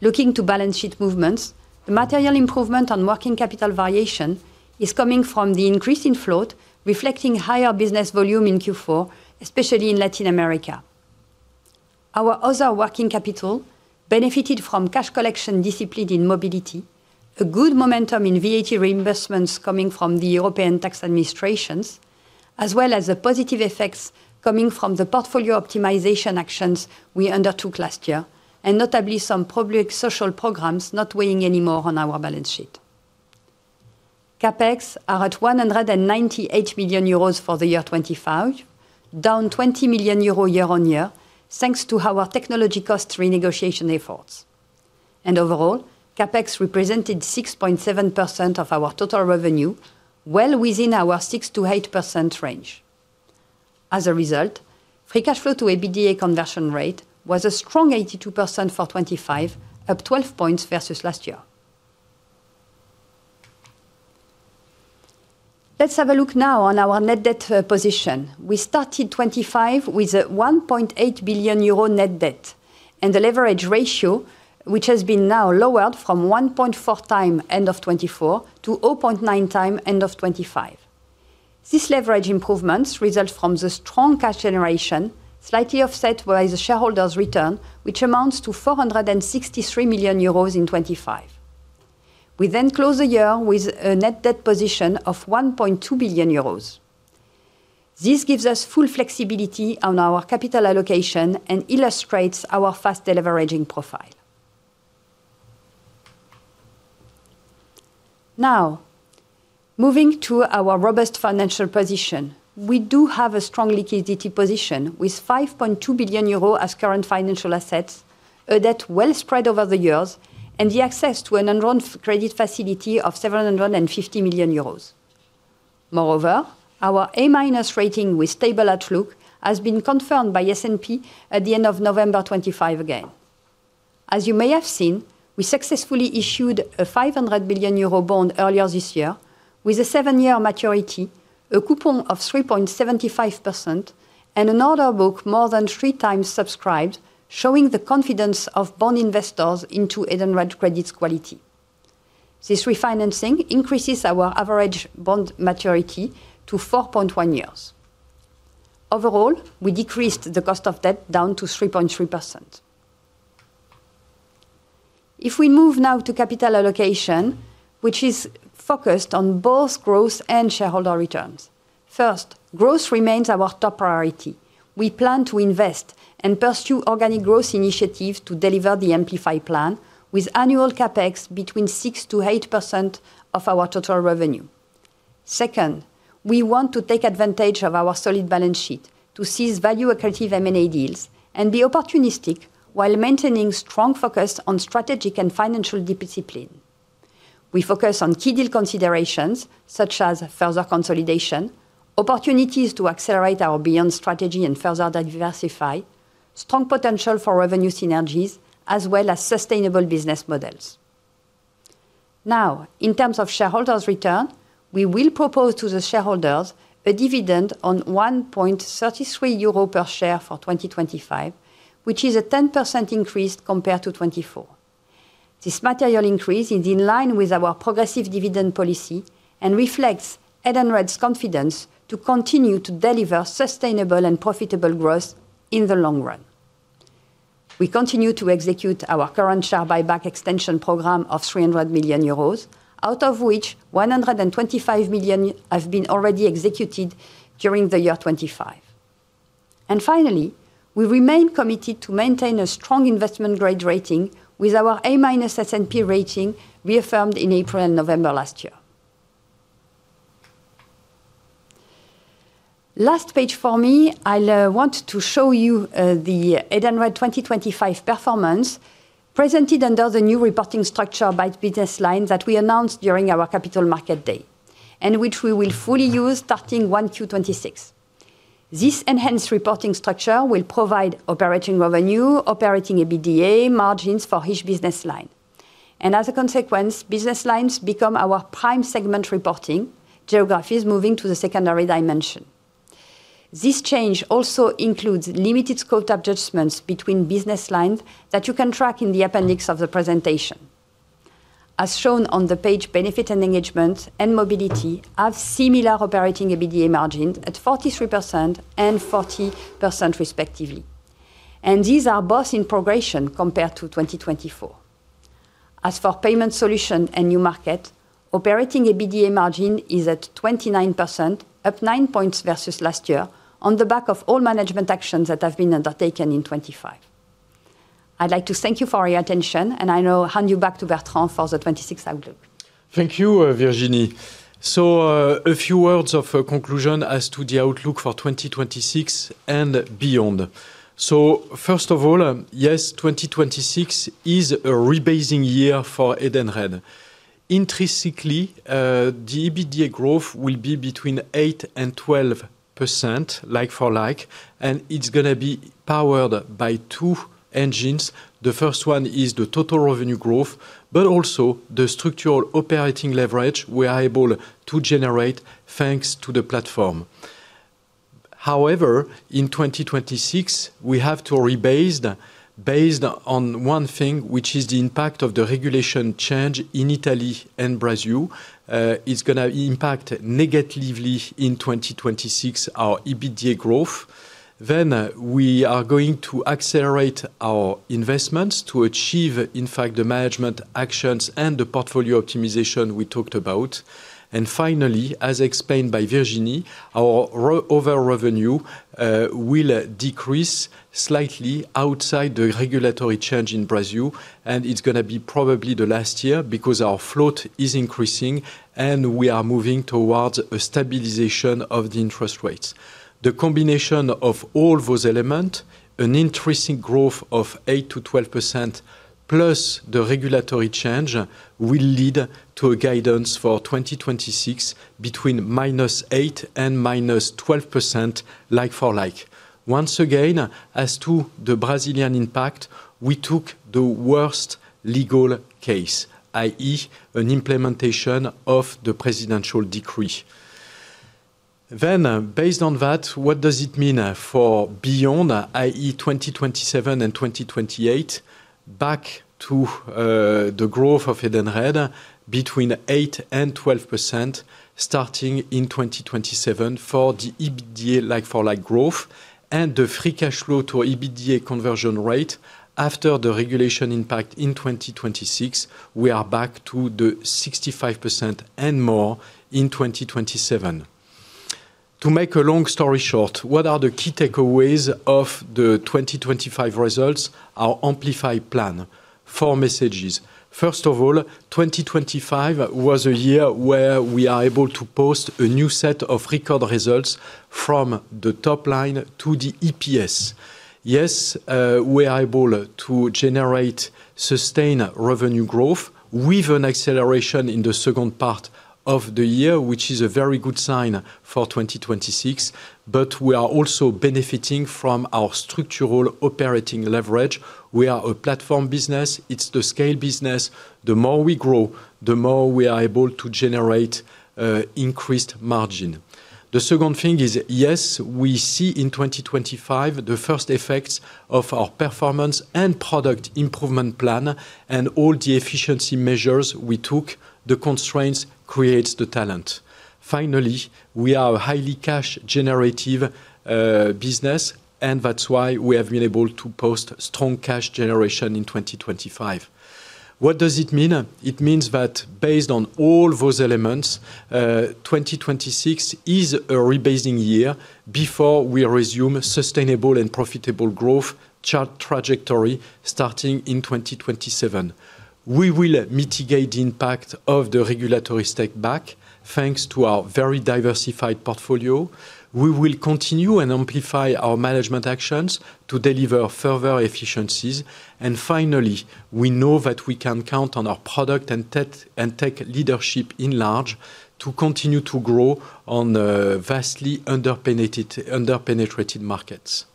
Looking to balance sheet movements, the material improvement on working capital variation is coming from the increase in float, reflecting higher business volume in Q4, especially in Latin America. Our other working capital benefited from cash collection discipline in mobility, a good momentum in VAT reimbursements coming from the European tax administrations, as well as the positive effects coming from the portfolio optimization actions we undertook last year, and notably some public social programs not weighing anymore on our balance sheet. CapEx are at 198 million euros for the year 2025, down 20 million euros year-on-year, thanks to our technology cost renegotiation efforts. Overall, CapEx represented 6.7% of our total revenue, well within our 6%-8% range. As a result, free cash flow to EBITDA conversion rate was a strong 82% for 2025, up 12 points versus last year. Let's have a look now on our net debt position. We started 2025 with a 1.8 billion euro net debt. The leverage ratio, which has been now lowered from 1.4x end of 2024 to 0.9x end of 2025. These leverage improvements result from the strong cash generation, slightly offset by the shareholders' return, which amounts to 463 million euros in 2025. We close the year with a net debt position of 1.2 billion euros. This gives us full flexibility on our capital allocation and illustrates our faster leveraging profile. Moving to our robust financial position. We do have a strong liquidity position, with 5.2 billion euro as current financial assets, a debt well spread over the years, and the access to an unknown credit facility of 750 million euros. Moreover, our A-minus rating with stable outlook has been confirmed by S&P at the end of November 2025 again. As you may have seen, we successfully issued a 500 billion euro bond earlier this year with a 7-year maturity, a coupon of 3.75%, and an order book more than 3 times subscribed, showing the confidence of bond investors into Edenred credit's quality. This refinancing increases our average bond maturity to 4.1 years. Overall, we decreased the cost of debt down to 3.3%. If we move now to capital allocation, which is focused on both growth and shareholder returns. Growth remains our top priority. We plan to invest and pursue organic growth initiatives to deliver the Amplify plan, with annual CapEx between 6%-8% of our total revenue. We want to take advantage of our solid balance sheet to seize value accretive M&A deals and be opportunistic while maintaining strong focus on strategic and financial discipline. We focus on key deal considerations, such as further consolidation, opportunities to accelerate our Beyond strategy and further diversify, strong potential for revenue synergies, as well as sustainable business models. In terms of shareholders' return, we will propose to the shareholders a dividend on 1.33 euro per share for 2025, which is a 10% increase compared to 2024. This material increase is in line with our progressive dividend policy and reflects Edenred's confidence to continue to deliver sustainable and profitable growth in the long run. We continue to execute our current share buyback extension program of 300 million euros, out of which 125 million has been already executed during the year 2025. Finally, we remain committed to maintain a strong investment grade rating with our A- S&P rating reaffirmed in April and November last year. Last page for me. I want to show you the Edenred 2025 performance, presented under the new reporting structure by business line that we announced during our capital market day, and which we will fully use starting 1Q 2026. This enhanced reporting structure will provide operating revenue, operating EBITDA margins for each business line. As a consequence, business lines become our prime segment reporting, geographies moving to the secondary dimension. This change also includes limited scope adjustments between business lines that you can track in the appendix of the presentation. As shown on the page, Benefits & Engagement and Mobility have similar operating EBITDA margins at 43% and 40% respectively, and these are both in progression compared to 2024. As for Payment Solutions & New Markets, operating EBITDA margin is at 29%, up 9 points versus last year, on the back of all management actions that have been undertaken in 2025. I'd like to thank you for your attention, and I now hand you back to Bertrand for the 2026 outlook. Thank you, Virginie. A few words of conclusion as to the outlook for 2026 and beyond. First of all, yes, 2026 is a rebasing year for Edenred. Intrinsically, the EBITDA growth will be between 8% and 12% like-for-like, and it's gonna be powered by 2 engines. The first one is the total revenue growth, but also the structural operating leverage we are able to generate thanks to the platform. However, in 2026, we have to rebase, based on 1 thing, which is the impact of the regulation change in Italy and Brazil. It's gonna impact negatively in 2026 our EBITDA growth. We are going to accelerate our investments to achieve, in fact, the management actions and the portfolio optimization we talked about. Finally, as explained by Virginie, our over revenue will decrease slightly outside the regulatory change in Brazil, and it's gonna be probably the last year, because our float is increasing, and we are moving towards a stabilization of the interest rates. The combination of all those element, an interesting growth of 8%-12%, plus the regulatory change, will lead to a guidance for 2026 between -8% and -12% like-for-like. Once again, as to the Brazilian impact, we took the worst legal case, i.e., an implementation of the presidential decree. Based on that, what does it mean for beyond, i.e., 2027 and 2028? Back to the growth of Edenred between 8% and 12%, starting in 2027 for the EBITDA like-for-like growth and the free cash flow to EBITDA conversion rate. After the regulation impact in 2026, we are back to the 65% and more in 2027. To make a long story short, what are the key takeaways of the 2025 results, our Amplify25-28 plan? Four messages. First of all, 2025 was a year where we are able to post a new set of record results from the top line to the EPS. Yes, we are able to generate sustained revenue growth with an acceleration in the second part of the year, which is a very good sign for 2026. We are also benefiting from our structural operating leverage. We are a platform business. It's the scale business. The more we grow, the more we are able to generate increased margin. The second thing is, yes, we see in 2025 the first effects of our performance and product improvement plan, and all the efficiency measures we took, the constraints creates the talent. Finally, we are a highly cash-generative business, and that's why we have been able to post strong cash generation in 2025. What does it mean? It means that based on all those elements, 2026 is a rebasing year before we resume sustainable and profitable growth chart trajectory starting in 2027. We will mitigate the impact of the regulatory stake back, thanks to our very diversified portfolio. We will continue and amplify our management actions to deliver further efficiencies. Finally, we know that we can count on our product and tech leadership in large to continue to grow on vastly underpenetrated markets.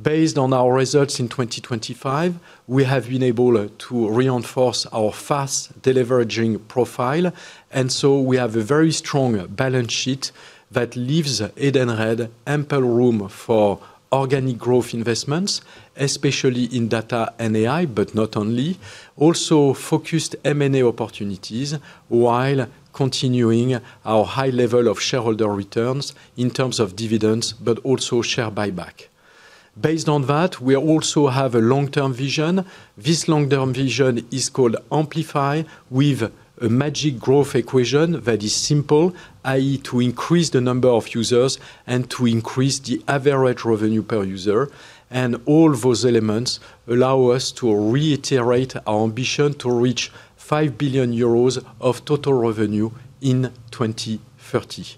Based on our results in 2025, we have been able to reinforce our fast deleveraging profile. We have a very strong balance sheet that leaves Edenred ample room for organic growth investments, especially in data and AI, but not only. Also, focused M&A opportunities while continuing our high level of shareholder returns in terms of dividends, but also share buyback. Based on that, we also have a long-term vision. This long-term vision is called Amplify25-28, with a magic growth equation that is simple, i.e., to increase the number of users and to increase the average revenue per user. All those elements allow us to reiterate our ambition to reach 5 billion euros of total revenue in 2030.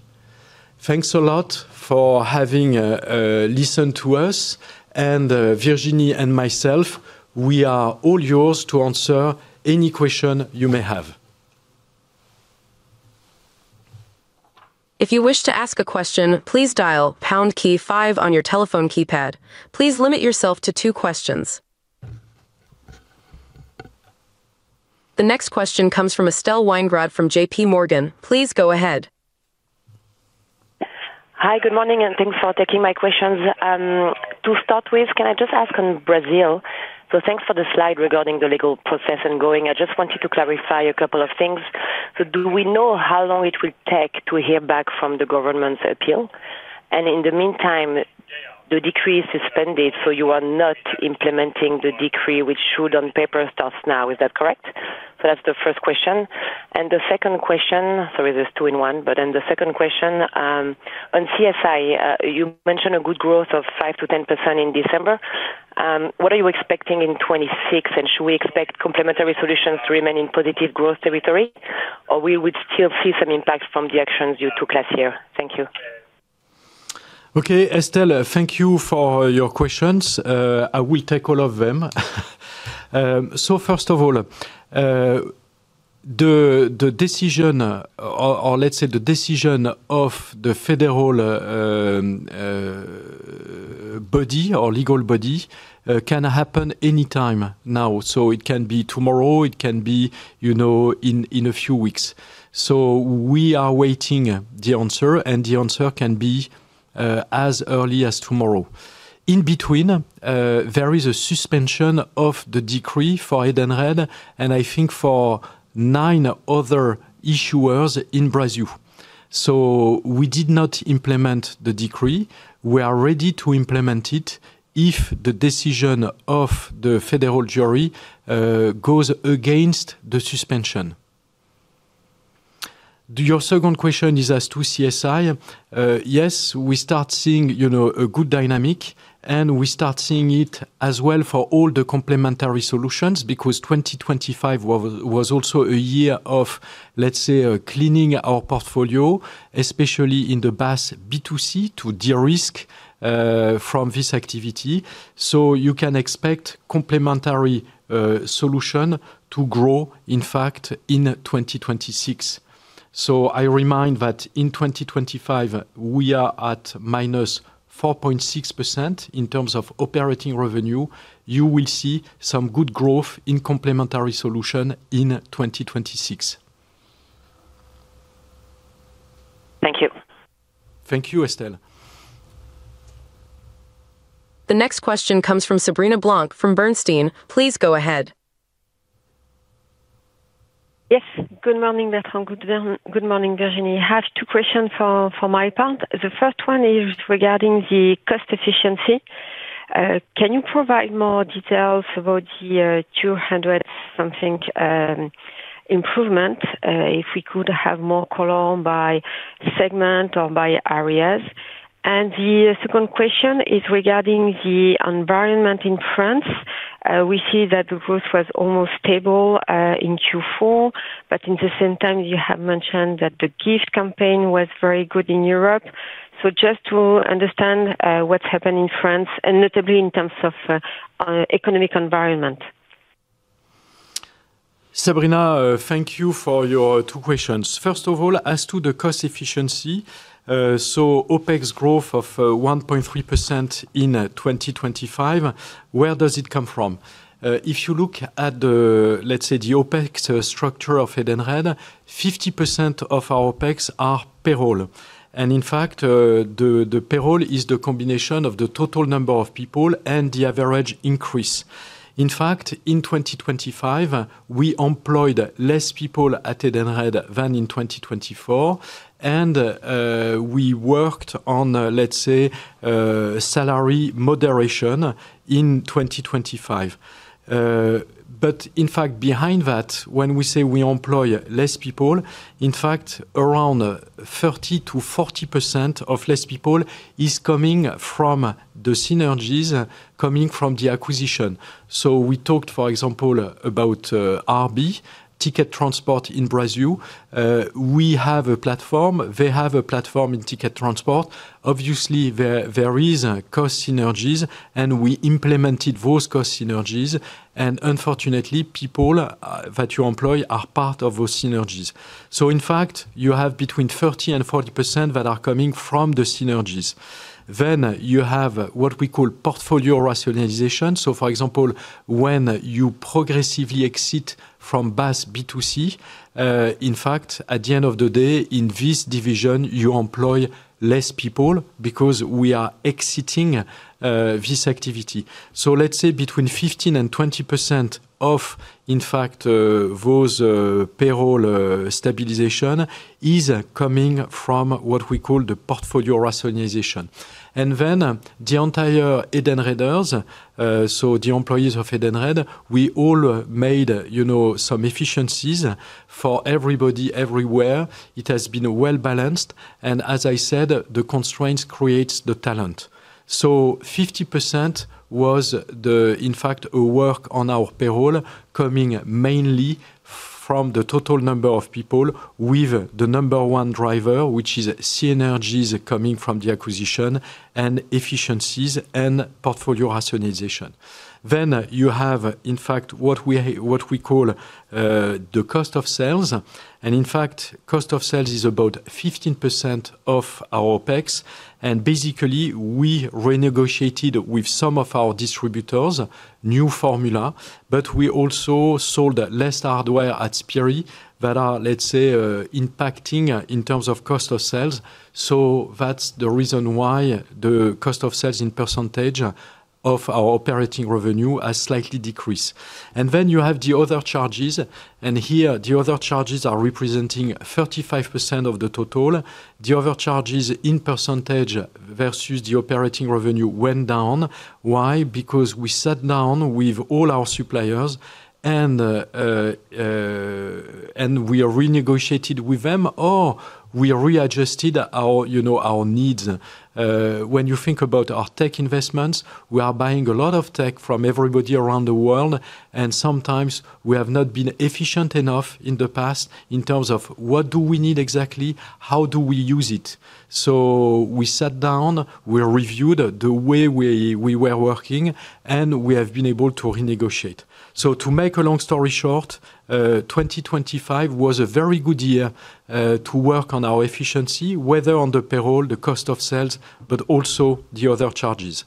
Thanks a lot for having listened to us. Virginie and myself, we are all yours to answer any question you may have. If you wish to ask a question, please dial #5 on your telephone keypad. Please limit yourself to two questions. The next question comes from Estelle Weingrad from JP Morgan. Please go ahead. Hi, good morning, thanks for taking my questions. To start with, can I just ask on Brazil? Thanks for the slide regarding the legal process and going. I just wanted to clarify a couple of things. Do we know how long it will take to hear back from the government's appeal? In the meantime, the decree is suspended, so you are not implementing the decree, which should, on paper, start now. Is that correct? That's the first question. The second question. Sorry, this is 2 in 1. The second question on CSI, you mentioned a good growth of 5%-10% in December. What are you expecting in 2026? Should we expect complementary solutions to remain in positive growth territory, or we would still see some impact from the actions you took last year? Thank you. Okay, Estelle, thank you for your questions. I will take all of them. First of all, the decision, or let's say, the decision of the federal body or legal body, can happen anytime now. It can be tomorrow, it can be, you know, in a few weeks. We are waiting the answer. The answer can be as early as tomorrow. In between, there is a suspension of the decree for Edenred, and I think for nine other issuers in Brazil. We did not implement the decree. We are ready to implement it if the decision of the federal jury goes against the suspension. Your second question is as to CSI. Yes, we start seeing, you know, a good dynamic. We start seeing it as well for all the complementary solutions, because 2025 was also a year of, let's say, cleaning our portfolio, especially in the BaaS B2C, to de-risk from this activity. You can expect complementary solution to grow, in fact, in 2026. I remind that in 2025, we are at -4.6% in terms of operating revenue. You will see some good growth in complementary solution in 2026. Thank you. Thank you, Estelle. The next question comes from Sabrina Blanc from Bernstein. Please go ahead. Yes, good morning, Bertrand. Good morning, Virginie. I have two questions for my part. The first one is regarding the cost efficiency. Can you provide more details about the 200 something improvement? If we could have more column by segment or by areas. The second question is regarding the environment in France. We see that the growth was almost stable in Q4, but in the same time, you have mentioned that the gift campaign was very good in Europe. Just to understand what's happened in France, and notably in terms of economic environment. Sabrina, thank you for your two questions. First of all, as to the cost efficiency, OpEx growth of 1.3% in 2025, where does it come from? If you look at the, let's say, the OpEx structure of Edenred, 50% of our OpEx are payroll. In fact, the payroll is the combination of the total number of people and the average increase. In fact, in 2025, we employed less people at Edenred than in 2024, we worked on, let's say, salary moderation in 2025. In fact, behind that, when we say we employ less people, in fact, around 30%-40% of less people is coming from the synergies coming from the acquisition. We talked, for example, about RB, ticket transport in Brazil. We have a platform. They have a platform in ticket transport. Obviously, there is cost synergies, and we implemented those cost synergies. Unfortunately, people that you employ are part of those synergies. In fact, you have between 30% and 40% that are coming from the synergies. You have what we call portfolio rationalization. For example, when you progressively exit from BaaS B2C, in fact, at the end of the day, in this division, you employ less people because we are exiting this activity. Let's say between 15% and 20% of, in fact, those payroll stabilization is coming from what we call the portfolio rationalization. The entire Edenreders, so the employees of Edenred, we all made, you know, some efficiencies for everybody everywhere. It has been well-balanced, and as I said, the constraints creates the talent. 50% was the, in fact, a work on our payroll, coming mainly from the total number of people with the number one driver, which is synergies coming from the acquisition and efficiencies and portfolio rationalization. You have, in fact, what we call the cost of sales. In fact, cost of sales is about 15% of our OpEx, and basically, we renegotiated with some of our distributors new formula, but we also sold less hardware at Spirii that are, let's say, impacting in terms of cost of sales. That's the reason why the cost of sales in % of our operating revenue has slightly decreased. You have the other charges, here the other charges are representing 35% of the total. The other charges in % versus the operating revenue went down. Why? We sat down with all our suppliers and we renegotiated with them, or we readjusted our, you know, our needs. When you think about our tech investments, we are buying a lot of tech from everybody around the world, and sometimes we have not been efficient enough in the past in terms of what do we need exactly? How do we use it? We sat down, we reviewed the way we were working, and we have been able to renegotiate. To make a long story short, 2025 was a very good year to work on our efficiency, whether on the payroll, the cost of sales, but also the other charges.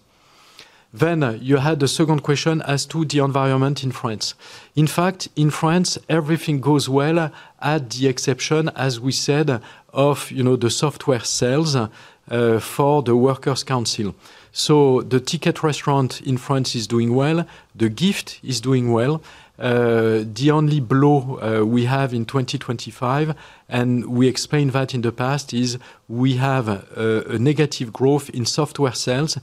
You had the second question as to the environment in France. In fact, in France, everything goes well at the exception, as we said, of, you know, the software sales for the workers' council. The Ticket Restaurant in France is doing well. The gift is doing well. The only blow we have in 2025, and we explained that in the past, is we have a negative growth in software sales.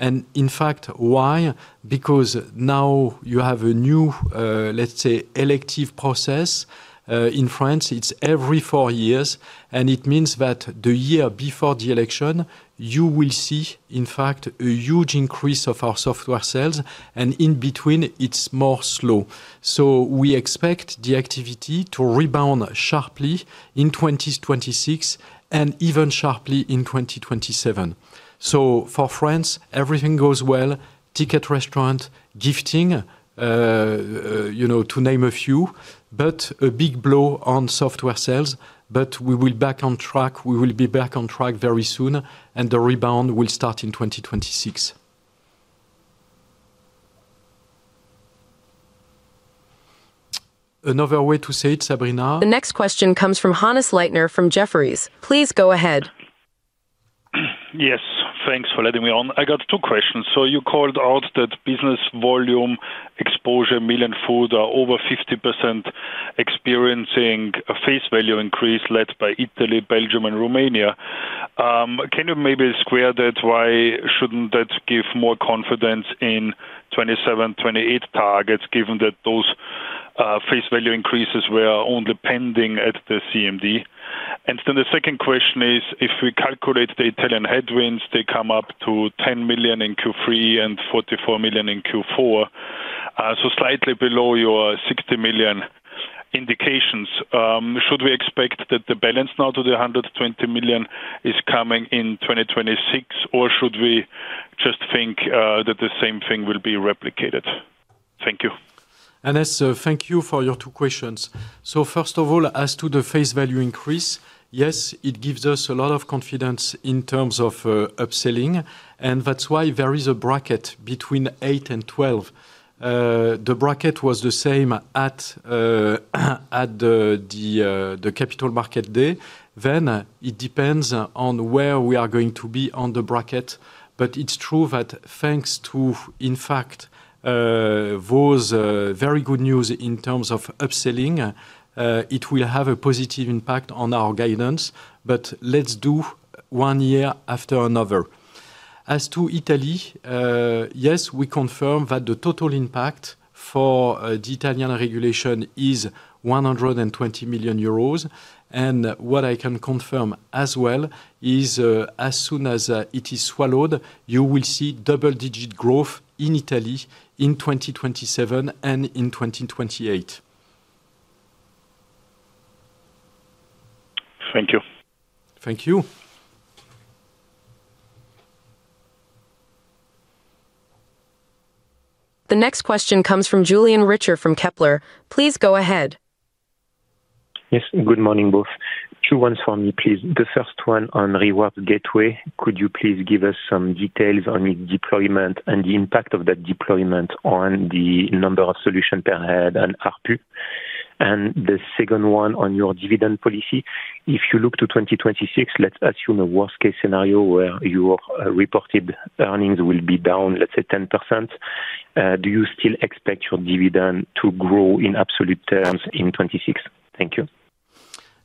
In fact, why? Because now you have a new, let's say, elective process. In France, it's every four years. It means that the year before the election, you will see, in fact, a huge increase of our software sales, and in between, it's more slow. We expect the activity to rebound sharply in 2026 and even sharply in 2027. For France, everything goes well. Ticket Restaurant, gifting, you know, to name a few, but a big blow on software sales. We will be back on track very soon, and the rebound will start in 2026. Another way to say it, Sabrina? The next question comes from Hannes Leitner from Jefferies. Please go ahead. Yes. Thanks for letting me on. I got two questions. You called out that business volume exposure meal and food are over 50% experiencing a face value increase led by Italy, Belgium, and Romania. Can you maybe square that? Why shouldn't that give more confidence in 2027, 2028 targets, given that those face value increases were only pending at the CMD? The second question is: if we calculate the Italian headwinds, they come up to 10 million in Q3 and 44 million in Q4. Slightly below your 60 million indications. Should we expect that the balance now to the 120 million is coming in 2026, or should we just think that the same thing will be replicated? Thank you. Thank you for your 2 questions. First of all, as to the face value increase, yes, it gives us a lot of confidence in terms of upselling, and that's why there is a bracket between 8 and 12. The bracket was the same at the capital market day. It depends on where we are going to be on the bracket. It's true that thanks to, in fact, those very good news in terms of upselling, it will have a positive impact on our guidance, but let's do 1 year after another. As to Italy, yes, we confirm that the total impact for the Italian regulation is 120 million euros. What I can confirm as well is, as soon as it is swallowed, you will see double-digit growth in Italy in 2027 and in 2028. Thank you. Thank you. The next question comes from Julien Richer from Kepler. Please go ahead. Yes, good morning, both. Two ones for me, please. The first one on Reward Gateway. Could you please give us some details on its deployment and the impact of that deployment on the number of solution per head and ARPU? The second one on your dividend policy. If you look to 2026, let's assume a worst-case scenario where your reported earnings will be down, let's say, 10%. Do you still expect your dividend to grow in absolute terms in 2026? Thank you.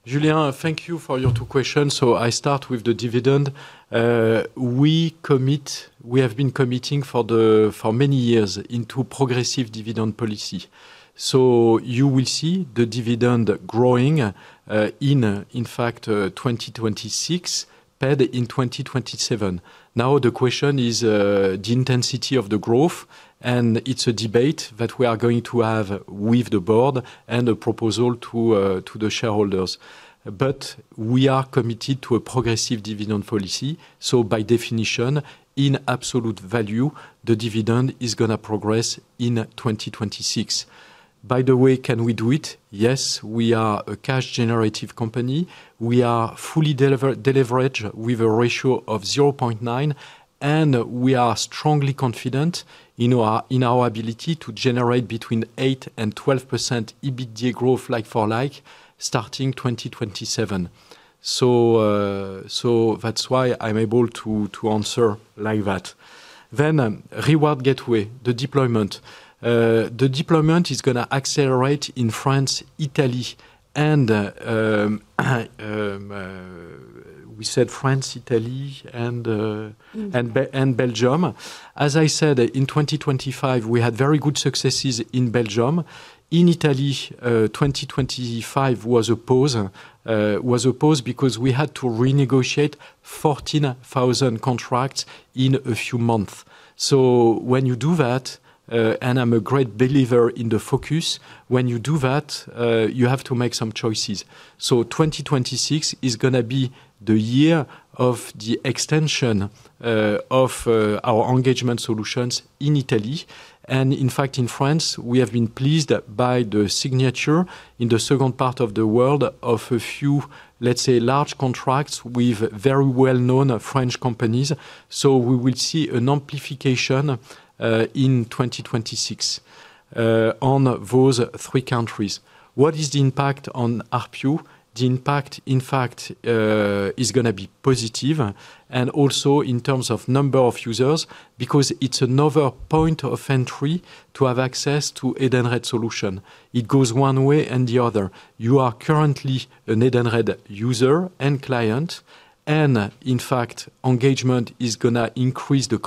Julien, thank you for your two questions. I start with the dividend. We have been committing for many years into progressive dividend policy. You will see the dividend growing in fact, 2026, paid in 2027. The question is the intensity of the growth, it's a debate that we are going to have with the board and a proposal to the shareholders. We are committed to a progressive dividend policy, by definition, in absolute value, the dividend is gonna progress in 2026. By the way, can we do it? Yes, we are a cash-generative company. We are fully delivered with a ratio of 0.9, we are strongly confident in our ability to generate between 8% and 12% EBITDA growth, like-for-like, starting 2027. That's why I'm able to answer like that. Reward Gateway, the deployment. The deployment is gonna accelerate in France, Italy, and we said France, Italy, and.... and Belgium. As I said, in 2025, we had very good successes in Belgium. In Italy, 2025 was opposed because we had to renegotiate 14,000 contracts in a few months. When you do that, and I'm a great believer in the focus, when you do that, you have to make some choices. 2026 is gonna be the year of the extension of our engagement solutions in Italy. In fact, in France, we have been pleased by the signature in the second part of the world of a few, let's say, large contracts with very well-known French companies. We will see an amplification in 2026 on those three countries. What is the impact on ARPU? The impact, in fact, is gonna be positive and also in terms of number of users, because it's another point of entry to have access to Edenred solution. It goes one way and the other. You are currently an Edenred user and client, in fact, engagement is gonna increase the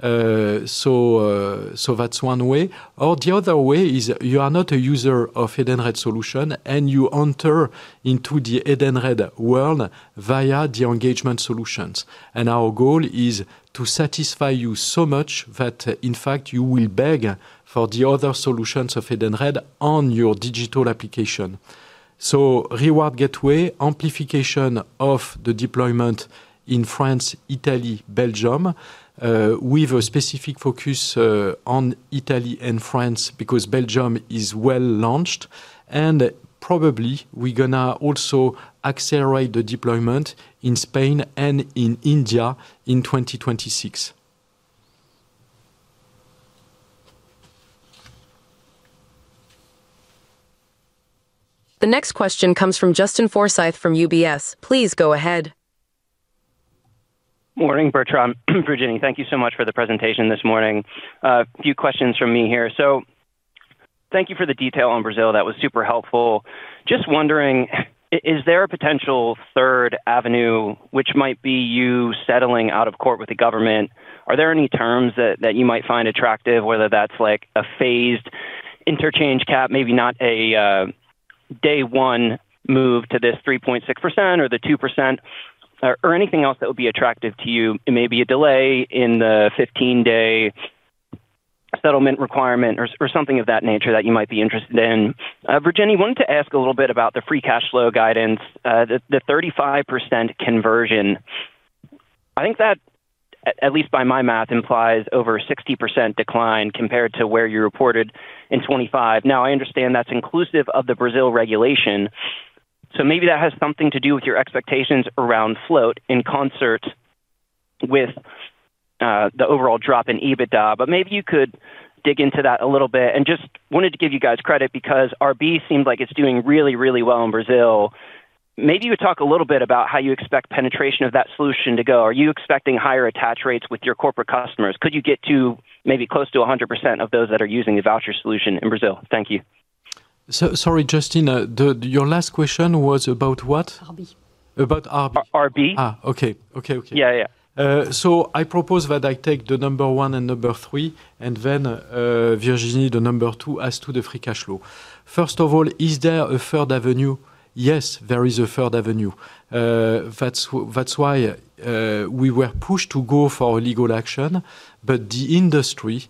cross-selling. That's one way. The other way is you are not a user of Edenred solution, you enter into the Edenred world via the engagement solutions. Our goal is to satisfy you so much that, in fact, you will beg for the other solutions of Edenred on your digital application. Reward Gateway, amplification of the deployment in France, Italy, Belgium, with a specific focus on Italy and France, because Belgium is well-launched. Probably, we're gonna also accelerate the deployment in Spain and in India in 2026. The next question comes from Justin Forsythe from UBS. Please go ahead. Morning, Bertrand. Virginie, thank you so much for the presentation this morning. A few questions from me here. Thank you for the detail on Brazil. That was super helpful. Just wondering, is there a potential third avenue which might be you settling out of court with the government? Are there any terms that you might find attractive, whether that's like a phased interchange cap, maybe not a day one move to this 3.6% or the 2%, or anything else that would be attractive to you? It may be a delay in the 15-day settlement requirement or something of that nature that you might be interested in. Virginie, wanted to ask a little bit about the free cash flow guidance, the 35% conversion. I think that, at least by my math, implies over 60% decline compared to where you reported in 25. I understand that's inclusive of the Brazil regulation, so maybe that has something to do with your expectations around float in concert with the overall drop in EBITDA. Maybe you could dig into that a little bit. Just wanted to give you guys credit because RB seems like it's doing really, really well in Brazil. Maybe you could talk a little bit about how you expect penetration of that solution to go. Are you expecting higher attach rates with your corporate customers? Could you get to maybe close to 100% of those that are using the voucher solution in Brazil? Thank you. sorry, Justin, Your last question was about what? RB. About RB? Okay. Okay, okay. Yeah, yeah. I propose that I take the number 1 and number 3, then Virginie, the number 2, as to the free cash flow. First of all, is there a 3rd avenue? Yes, there is a 3rd avenue. That's why we were pushed to go for a legal action. The industry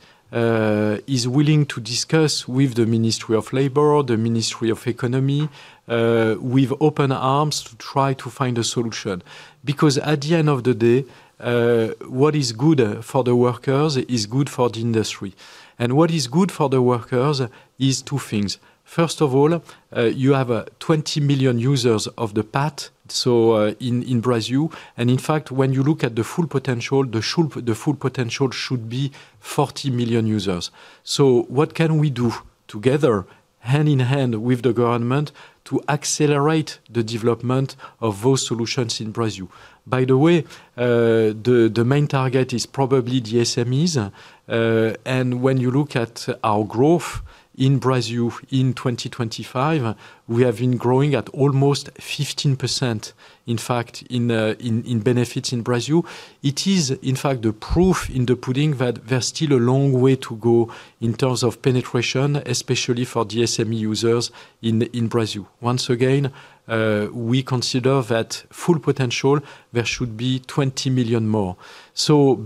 is willing to discuss with the Ministry of Labor, the Ministry of Economy, with open arms to try to find a solution. At the end of the day, what is good for the workers is good for the industry. What is good for the workers is 2 things: First of all, you have 20 million users of the PAT in Brazil, and in fact, when you look at the full potential, the full potential should be 40 million users. What can we do together, hand in hand with the government, to accelerate the development of those solutions in Brazil? By the way, the main target is probably the SMEs. When you look at our growth in Brazil in 2025, we have been growing at almost 15%, in fact, in benefits in Brazil. It is, in fact, the proof in the pudding that there's still a long way to go in terms of penetration, especially for the SME users in Brazil. Once again, we consider that full potential, there should be 20 million more.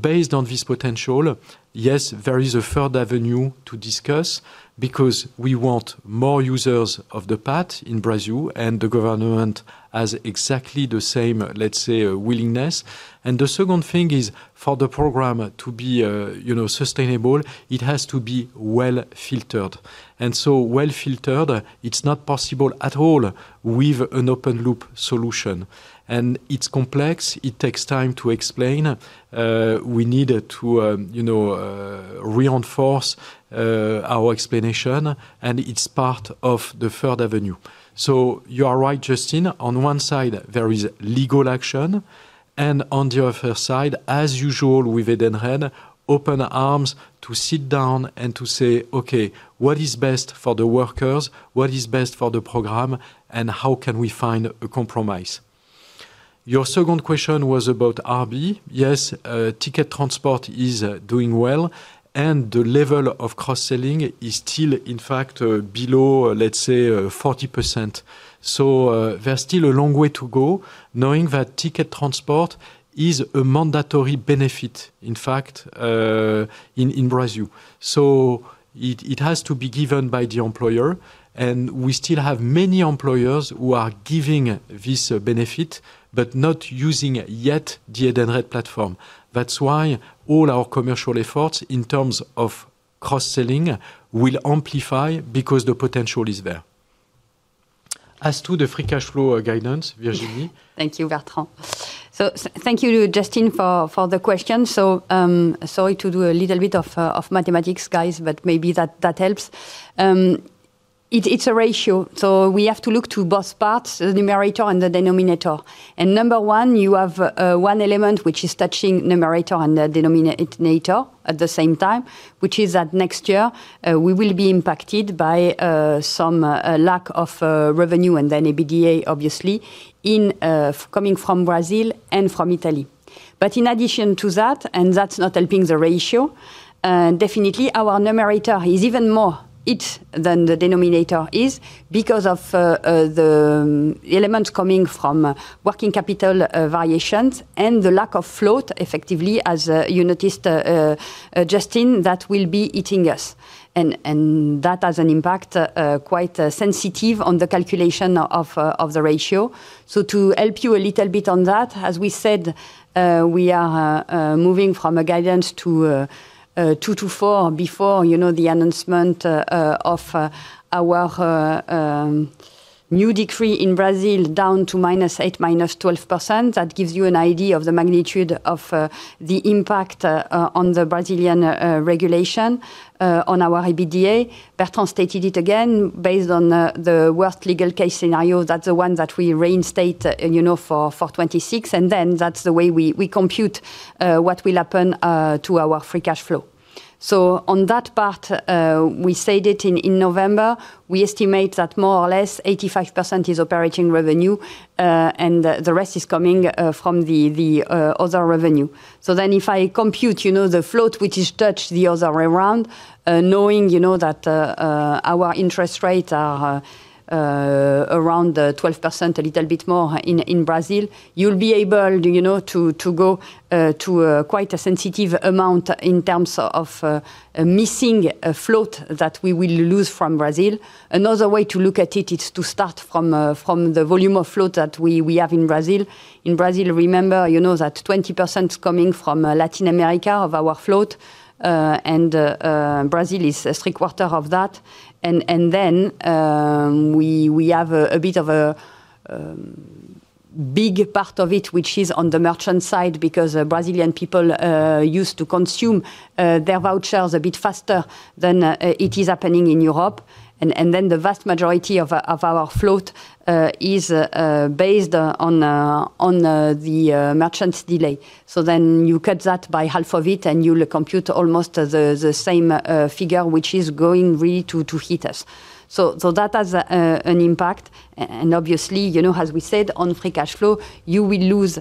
Based on this potential, yes, there is a third avenue to discuss, because we want more users of the PAT in Brazil, and the government has exactly the same, let's say, willingness. The second thing is, for the program to be, you know, sustainable, it has to be well filtered. Well filtered, it's not possible at all with an open-loop solution. It's complex, it takes time to explain. We needed to, you know, reinforce our explanation, and it's part of the third avenue. You are right, Justin. On one side, there is legal action, and on the other side, as usual, with Edenred, open arms to sit down and to say, "Okay, what is best for the workers? What is best for the program, and how can we find a compromise?" Your second question was about RB. Yes, ticket transport is doing well, and the level of cross-selling is still, in fact, below, let's say, 40%. There's still a long way to go knowing that ticket transport is a mandatory benefit, in fact, in Brazil. It has to be given by the employer, and we still have many employers who are giving this benefit, but not using it yet, the Edenred platform. All our commercial efforts, in terms of cross-selling, will amplify because the potential is there. The free cash flow guidance, Virginie? Thank you, Bertrand. Thank you to Justin for the question. Sorry to do a little bit of mathematics, guys, but maybe that helps. It's a ratio, so we have to look to both parts, the numerator and the denominator. Number one, you have one element which is touching numerator and the denominator at the same time, which is that next year, we will be impacted by some lack of revenue and then EBITDA, obviously, coming from Brazil and from Italy. In addition to that, and that's not helping the ratio, definitely our numerator is even more it than the denominator is because of the elements coming from working capital variations and the lack of float effectively, as you noticed, Justin, that will be eating us. That has an impact quite sensitive on the calculation of the ratio. To help you a little bit on that, as we said, we are moving from a guidance to 2 to 4 before, you know, the announcement of our... new decree in Brazil down to -8%, -12%. That gives you an idea of the magnitude of the impact on the Brazilian regulation on our EBDA. Bertrand stated it again, based on the worst legal case scenario, that's the one that we reinstate, you know, for 2026, and then that's the way we compute what will happen to our free cash flow. On that part, we said it in November, we estimate that more or less 85% is operating revenue, and the rest is coming from the other revenue. If I compute, you know, the float, which is touched the other way around, knowing, you know, that our interest rates are around 12%, a little bit more in Brazil, you'll be able, you know, to go to quite a sensitive amount in terms of a missing float that we will lose from Brazil. Another way to look at it is to start from the volume of float that we have in Brazil. In Brazil, remember, you know that 20% is coming from Latin America of our float, and Brazil is three-quarter of that. Then we have a bit of a big part of it, which is on the merchant side, because Brazilian people used to consume their vouchers a bit faster than it is happening in Europe. Then the vast majority of our float is based on the merchant's delay. You cut that by half of it, and you'll compute almost the same figure, which is going really to hit us. That has an impact. Obviously, you know, as we said, on free cash flow, you will lose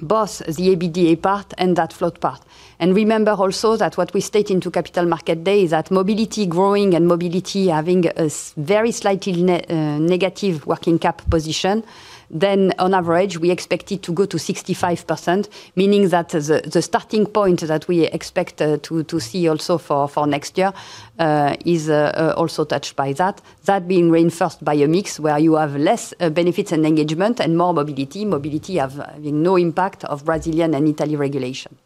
both the EBDA part and that float part. Remember also that what we state into capital market day is that Mobility growing and Mobility having a very slightly negative working cap position, then on average, we expect it to go to 65%, meaning that the starting point that we expect to see also for next year is also touched by that. That being reinforced by a mix where you have less Benefits & Engagement and more Mobility. Mobility have no impact of Brazilian and Italy regulation.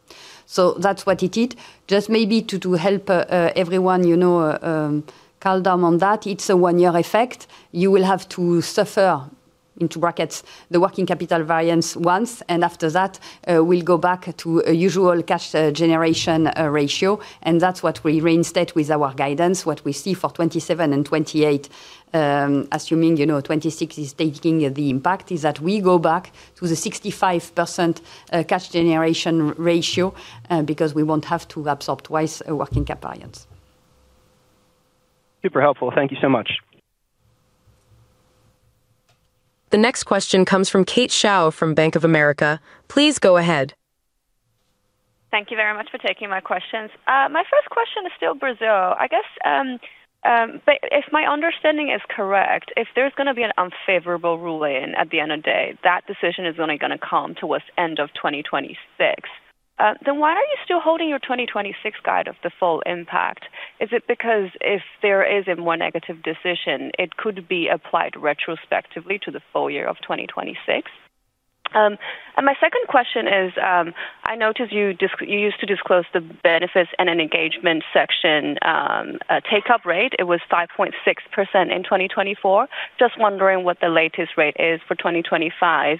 That's what it is. Just maybe to help everyone, you know, calm down on that, it's a one-year effect. You will have to suffer, into brackets, the working capital variance once, and after that, we'll go back to a usual cash generation ratio, and that's what we reinstate with our guidance. What we see for 27 and 28, assuming, you know, 26 is taking the impact, is that we go back to the 65% cash generation ratio, because we won't have to absorb twice a working capital variance. Super helpful. Thank you so much. The next question comes from Kaitlyn Shao from Bank of America. Please go ahead. Thank you very much for taking my questions. My first question is still Brazil. I guess, if my understanding is correct, if there's gonna be an unfavorable ruling at the end of the day, that decision is only gonna come towards end of 2026. Why are you still holding your 2026 guide of the full impact? Is it because if there is a more negative decision, it could be applied retrospectively to the full year of 2026? My second question is, I noticed you used to disclose the Benefits & Engagement section, take-up rate. It was 5.6% in 2024. Just wondering what the latest rate is for 2025.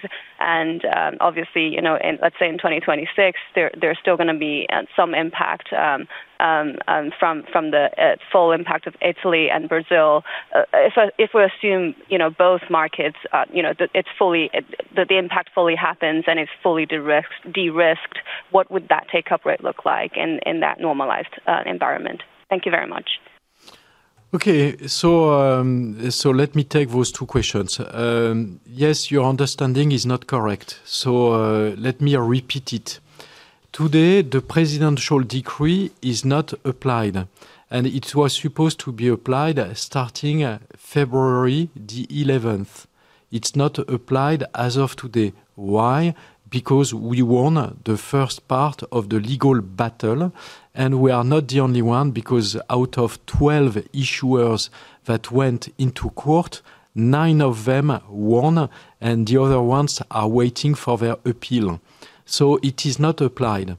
Obviously, you know, in, let's say in 2026, there's still gonna be some impact from the full impact of Italy and Brazil. If we assume, you know, both markets, you know, That the impact fully happens and it's fully de-risked, what would that take-up rate look like in that normalized environment? Thank you very much. Okay. so let me take those 2 questions. Yes, your understanding is not correct. Let me repeat it. Today, the presidential decree is not applied, and it was supposed to be applied starting February the 11th. It's not applied as of today. Why? Because we won the 1st part of the legal battle, and we are not the only one, because out of 12 issuers that went into court, 9 of them won, and the other ones are waiting for their appeal. It is not applied.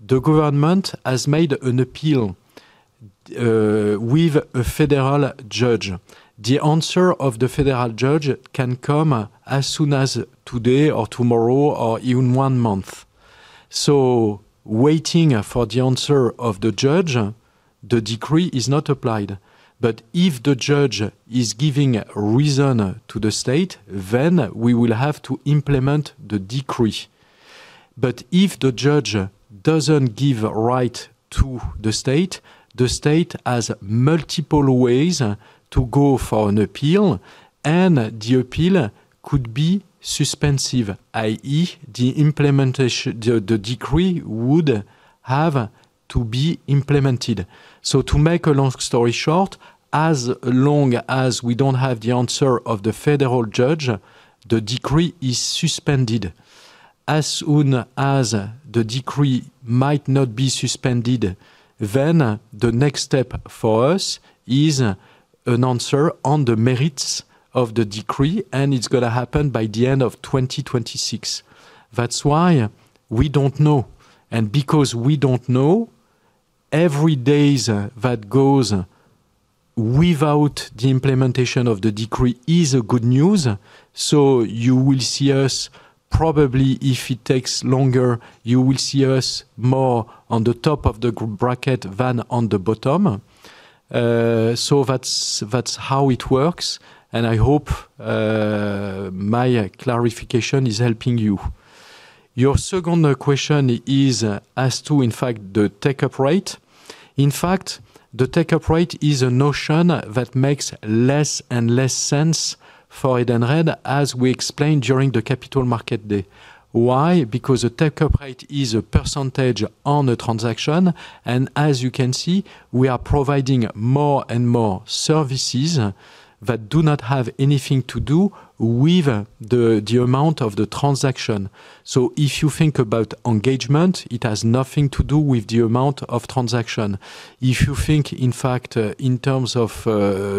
The government has made an appeal with a federal judge. The answer of the federal judge can come as soon as today or tomorrow, or even 1 month. Waiting for the answer of the judge, the decree is not applied, if the judge is giving reason to the state, we will have to implement the decree. If the judge doesn't give a right to the state, the state has multiple ways to go for an appeal, the appeal could be suspensive, i.e., the implementation, the decree would have to be implemented. To make a long story short, as long as we don't have the answer of the federal judge, the decree is suspended. As soon as the decree might not be suspended, the next step for us is an answer on the merits of the decree, it's gonna happen by the end of 2026. That's why we don't know, because we don't know. every days that goes without the implementation of the decree is a good news. You will see us probably if it takes longer, you will see us more on the top of the bracket than on the bottom. That's, that's how it works, and I hope my clarification is helping you. Your second question is as to, in fact, the take-up rate. In fact, the take-up rate is a notion that makes less and less sense for Edenred, as we explained during the capital market day. Why? Because the take-up rate is a percentage on the transaction, and as you can see, we are providing more and more services that do not have anything to do with the amount of the transaction. If you think about engagement, it has nothing to do with the amount of transaction. If you think, in fact, in terms of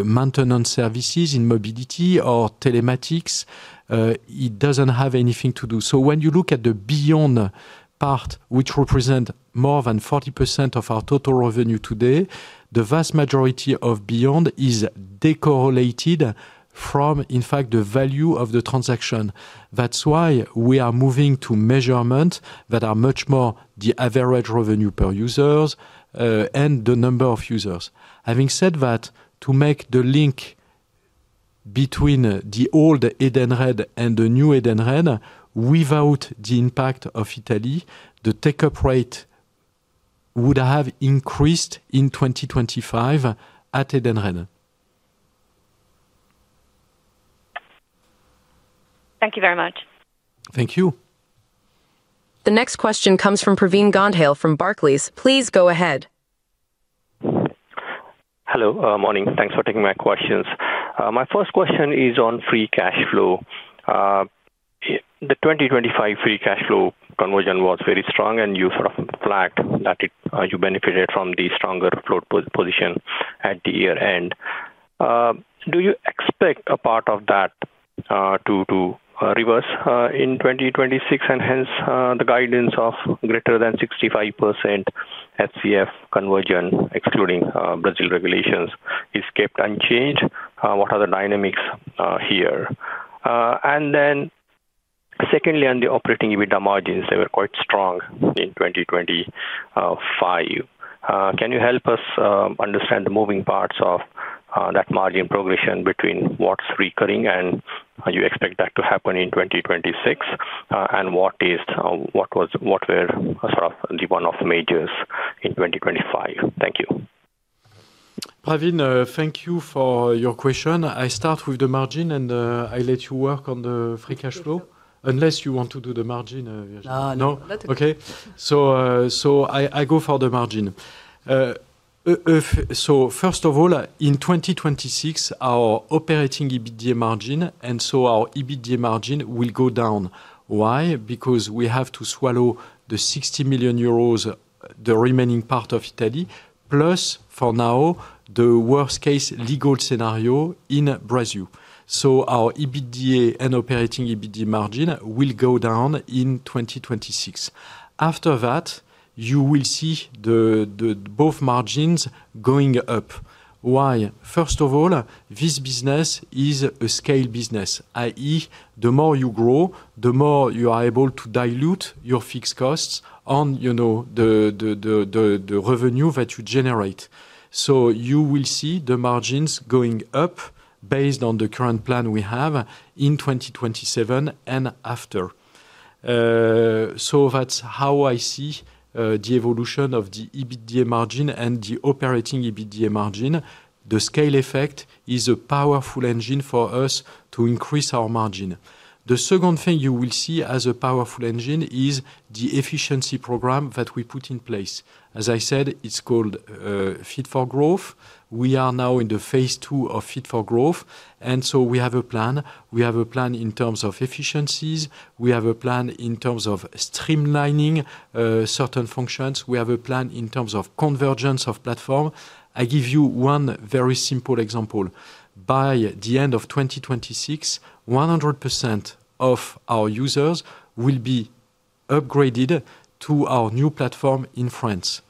maintenance services in mobility or telematics, it doesn't have anything to do. When you look at the beyond part, which represent more than 40% of our total revenue today, the vast majority of beyond is de-correlated from, in fact, the value of the transaction. That's why we are moving to measurement that are much more the average revenue per users and the number of users. Having said that, to make the link between the old Edenred and the new Edenred, without the impact of Italy, the take-up rate would have increased in 2025 at Edenred. Thank you very much. Thank you. The next question comes from Pravin Gondhale from Barclays. Please go ahead. Hello. Morning. Thanks for taking my questions. My first question is on free cash flow. The 2025 free cash flow conversion was very strong, and you sort of flagged that it benefited from the stronger flow position at the year-end. Do you expect a part of that to reverse in 2026, and hence, the guidance of greater than 65% FCF conversion, excluding Brazil regulations, is kept unchanged? What are the dynamics here? Secondly, on the operating EBITDA margins, they were quite strong in 2025. Can you help us understand the moving parts of that margin progression between what's recurring and you expect that to happen in 2026? What is what were sort of the one of the majors in 2025? Thank you. Pravin, thank you for your question. I start with the margin, and I let you work on the free cash flow, unless you want to do the margin. No. No? Okay. I, I go for the margin. First of all, in 2026, our operating EBITDA margin, and so our EBITDA margin will go down. Why? Because we have to swallow the 60 million euros, the remaining part of Italy, plus, for now, the worst case legal scenario in Brazil. Our EBITDA and operating EBITDA margin will go down in 2026. After that, you will see the both margins going up. Why? First of all, this business is a scale business, i.e., the more you grow, the more you are able to dilute your fixed costs on, you know, the revenue that you generate. You will see the margins going up based on the current plan we have in 2027 and after. That's how I see the evolution of the EBITDA margin and the operating EBITDA margin. The scale effect is a powerful engine for us to increase our margin. The second thing you will see as a powerful engine is the efficiency program that we put in place. As I said, it's called Fit for Growth. We are now in the phase 2 of Fit for Growth. We have a plan. We have a plan in terms of efficiencies. We have a plan in terms of streamlining certain functions. We have a plan in terms of convergence of platform. I give you one very simple example: by the end of 2026, 100% of our users will be upgraded to our new platform in France.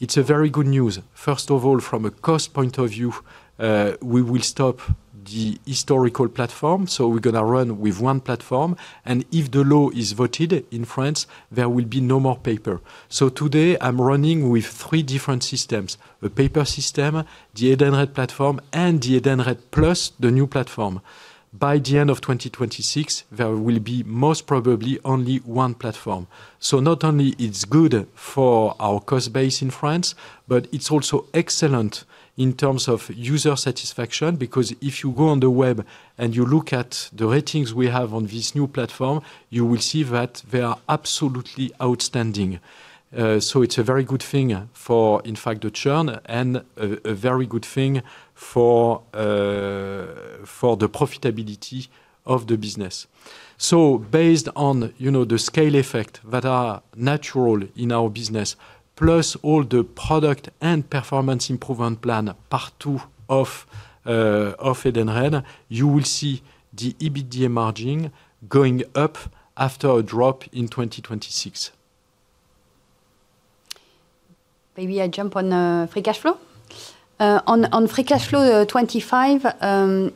It's a very good news. First of all, from a cost point of view, we will stop the historical platform, so we're gonna run with one platform, and if the law is voted in France, there will be no more paper. Today I'm running with three different systems: a paper system, the Edenred platform, and the Edenred plus the new platform. By the end of 2026, there will be most probably only one platform. Not only it's good for our cost base in France, but it's also excellent in terms of user satisfaction, because if you go on the web and you look at the ratings we have on this new platform, you will see that they are absolutely outstanding. It's a very good thing for, in fact, the churn and a very good thing for the profitability of the business. Based on, you know, the scale effect that are natural in our business, plus all the product and performance improvement plan, part two of Edenred, you will see the EBITDA margin going up after a drop in 2026. Maybe I jump on free cash flow? On free cash flow 25,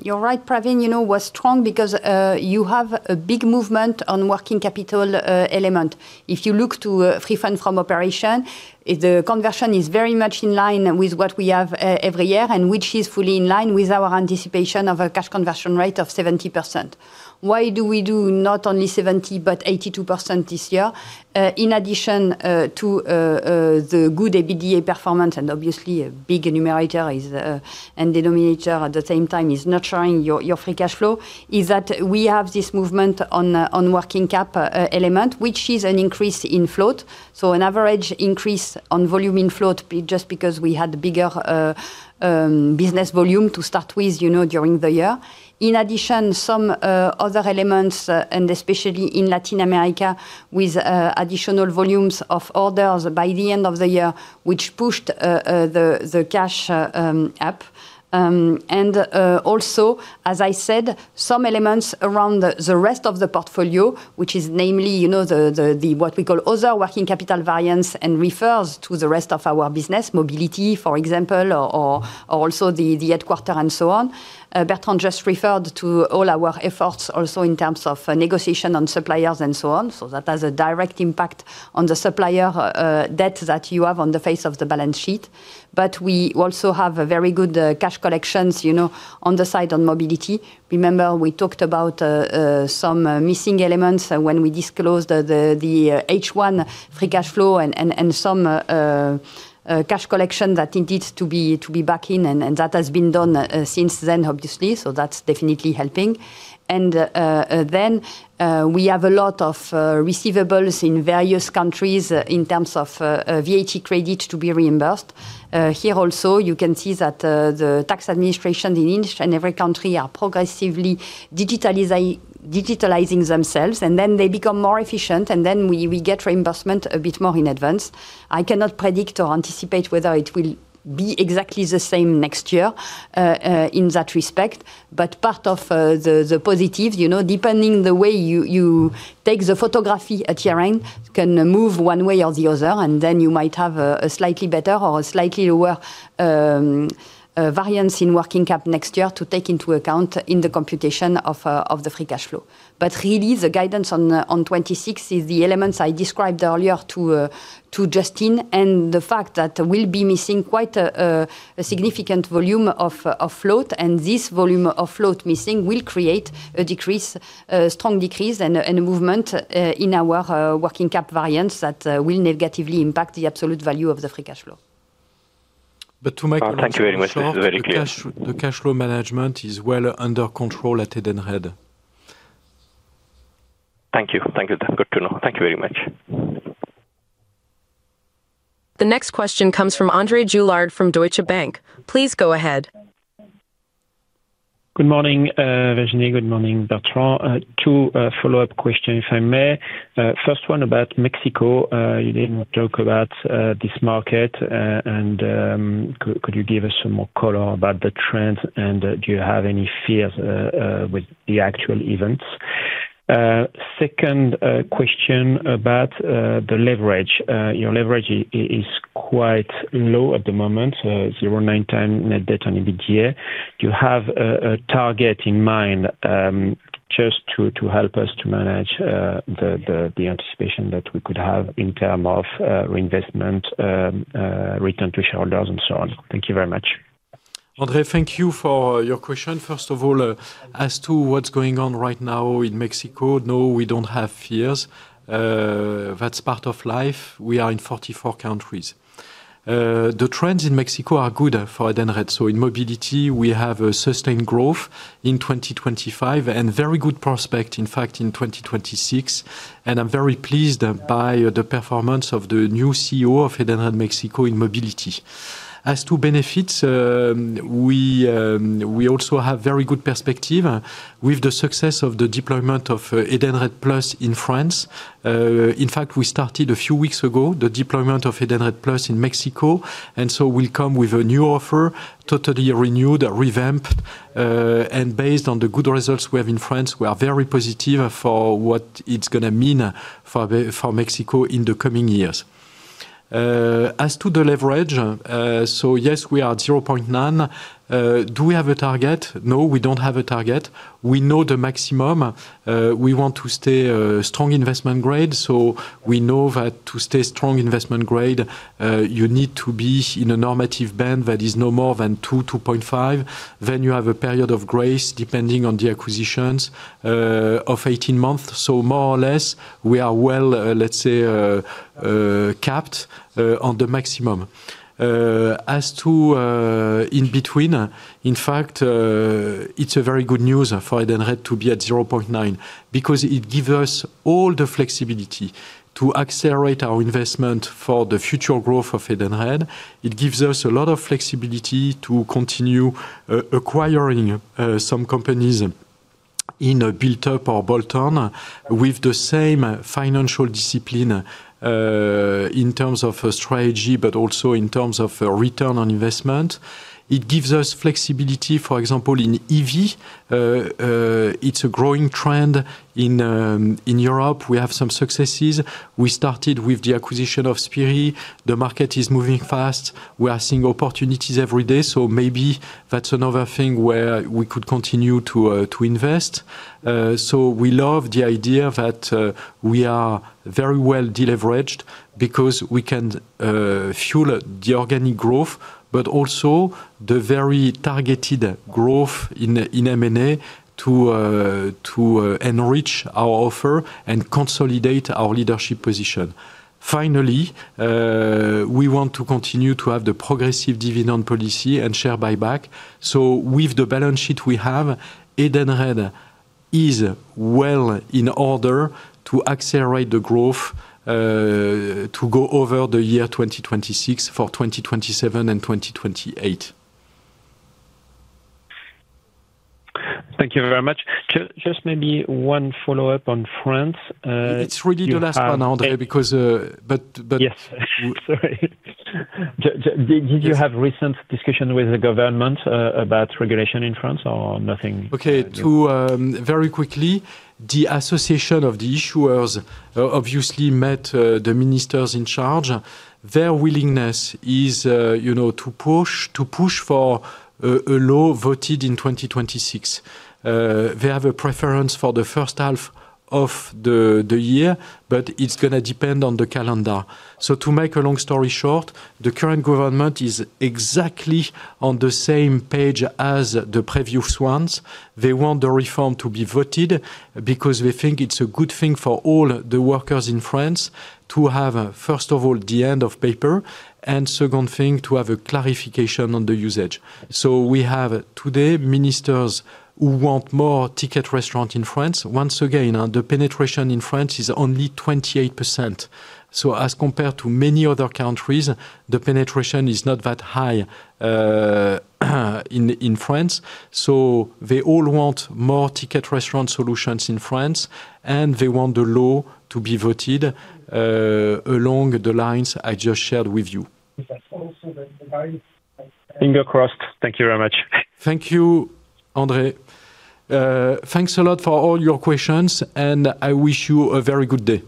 you're right, Pravin, you know, was strong because you have a big movement on working capital element. If you look to free fund from operation, the conversion is very much in line with what we have every year, and which is fully in line with our anticipation of a cash conversion rate of 70%. Why do we do not only 70 but 82% this year? In addition to the good EBITDA performance, and obviously a big enumerator is and denominator at the same time is not showing your, your free cash flow, is that we have this movement on working cap element, which is an increase in float. An average increase on volume in float just because we had bigger business volume to start with, you know, during the year. In addition, some other elements, and especially in Latin America, with additional volumes of orders by the end of the year, which pushed the cash up. And also, as I said, some elements around the rest of the portfolio, which is namely, you know, the what we call other working capital variance, and refers to the rest of our business, Mobility, for example, or also the headquarter and so on. Bertrand just referred to all our efforts also in terms of negotiation on suppliers and so on, so that has a direct impact on the supplier debt that you have on the face of the balance sheet. We also have a very good cash collections, you know, on the side on Mobility. Remember, we talked about some missing elements when we disclosed the H1 free cash flow and some cash collection that needs to be back in, and that has been done since then, obviously, so that's definitely helping. Then, we have a lot of receivables in various countries in terms of VAT credit to be reimbursed. Here also, you can see that the tax administration in each and every country are progressively digitalizing themselves, and then they become more efficient, and then we get reimbursement a bit more in advance. I cannot predict or anticipate whether it will be exactly the same next year in that respect, but part of the positives, you know, depending the way you take the photography at year-end, can move one way or the other, and then you might have a slightly better or a slightly worse variance in working cap next year to take into account in the computation of the free cash flow. Really, the guidance on 26 is the elements I described earlier to Justin, and the fact that we'll be missing quite a significant volume of float. This volume of float missing will create a decrease, strong decrease and a movement in our working cap variance that will negatively impact the absolute value of the free cash flow. But to make it- Thank you very much. That's very clear. The cash, the cash flow management is well under control at Edenred. Thank you. Thank you. Good to know. Thank you very much. The next question comes from André Juillard from Deutsche Bank. Please go ahead. Good morning, Virginie. Good morning, Bertrand. 2 follow-up question, if I may. First one about Mexico. You didn't talk about this market, and could you give us some more color about the trends, and do you have any fears with the actual events? Second question about the leverage. Your leverage is quite low at the moment, 0.9 net debt on EBITDA. Do you have a target in mind, just to help us to manage the anticipation that we could have in term of reinvestment, return to shareholders and so on? Thank you very much. André, thank you for your question. First of all, as to what's going on right now in Mexico, no, we don't have fears. That's part of life. We are in 44 countries. The trends in Mexico are good for Edenred. In Mobility, we have a sustained growth in 2025, and very good prospect, in fact, in 2026. I'm very pleased by the performance of the new CEO of Edenred Mexico in Mobility. As to Benefits, we also have very good perspective with the success of the deployment of Edenred Plus in France. In fact, we started a few weeks ago, the deployment of Edenred Plus in Mexico. We come with a new offer, totally renewed, revamped. Based on the good results we have in France, we are very positive for what it's gonna mean for Mexico in the coming years. As to the leverage, yes, we are at 0.9. Do we have a target? No, we don't have a target. We know the maximum. We want to stay a strong investment grade, we know that to stay strong investment grade, you need to be in a normative band that is no more than 2-2.5. You have a period of grace, depending on the acquisitions, of 18 months. More or less, we are well, let's say, capped on the maximum. As to, in between, in fact, it's a very good news for Edenred to be at 0.9, because it give us all the flexibility to accelerate our investment for the future growth of Edenred. It gives us a lot of flexibility to continue acquiring some companies in a built up or bolt-on with the same financial discipline in terms of strategy, but also in terms of return on investment. It gives us flexibility. For example, in EV, it's a growing trend in Europe. We have some successes. We started with the acquisition of Spirii. The market is moving fast. We are seeing opportunities every day, so maybe that's another thing where we could continue to invest. We love the idea that we are very well deleveraged because we can fuel the organic growth, but also the very targeted growth in M&A to enrich our offer and consolidate our leadership position. Finally, we want to continue to have the progressive dividend policy and share buyback. With the balance sheet we have, Edenred is well in order to accelerate the growth, to go over the year 2026 for 2027 and 2028. Thank you very much. Just maybe one follow-up on France. It's really the last one, André, because. Yes. Sorry. Did you have recent discussion with the government, about regulation in France or nothing? Very quickly, the association of the issuers obviously met the ministers in charge. Their willingness is, you know, to push for a law voted in 2026. They have a preference for the first half of the year, but it's gonna depend on the calendar. To make a long story short, the current government is exactly on the same page as the previous ones. They want the reform to be voted, because they think it's a good thing for all the workers in France to have, first of all, the end of paper, and second thing, to have a clarification on the usage. We have, today, ministers who want more Ticket Restaurant in France. Once again, the penetration in France is only 28%. As compared to many other countries, the penetration is not that high in France. They all want more Ticket Restaurant solutions in France. They want the law to be voted along the lines I just shared with you. Fingers crossed. Thank you very much. Thank you, André. Thanks a lot for all your questions, and I wish you a very good day.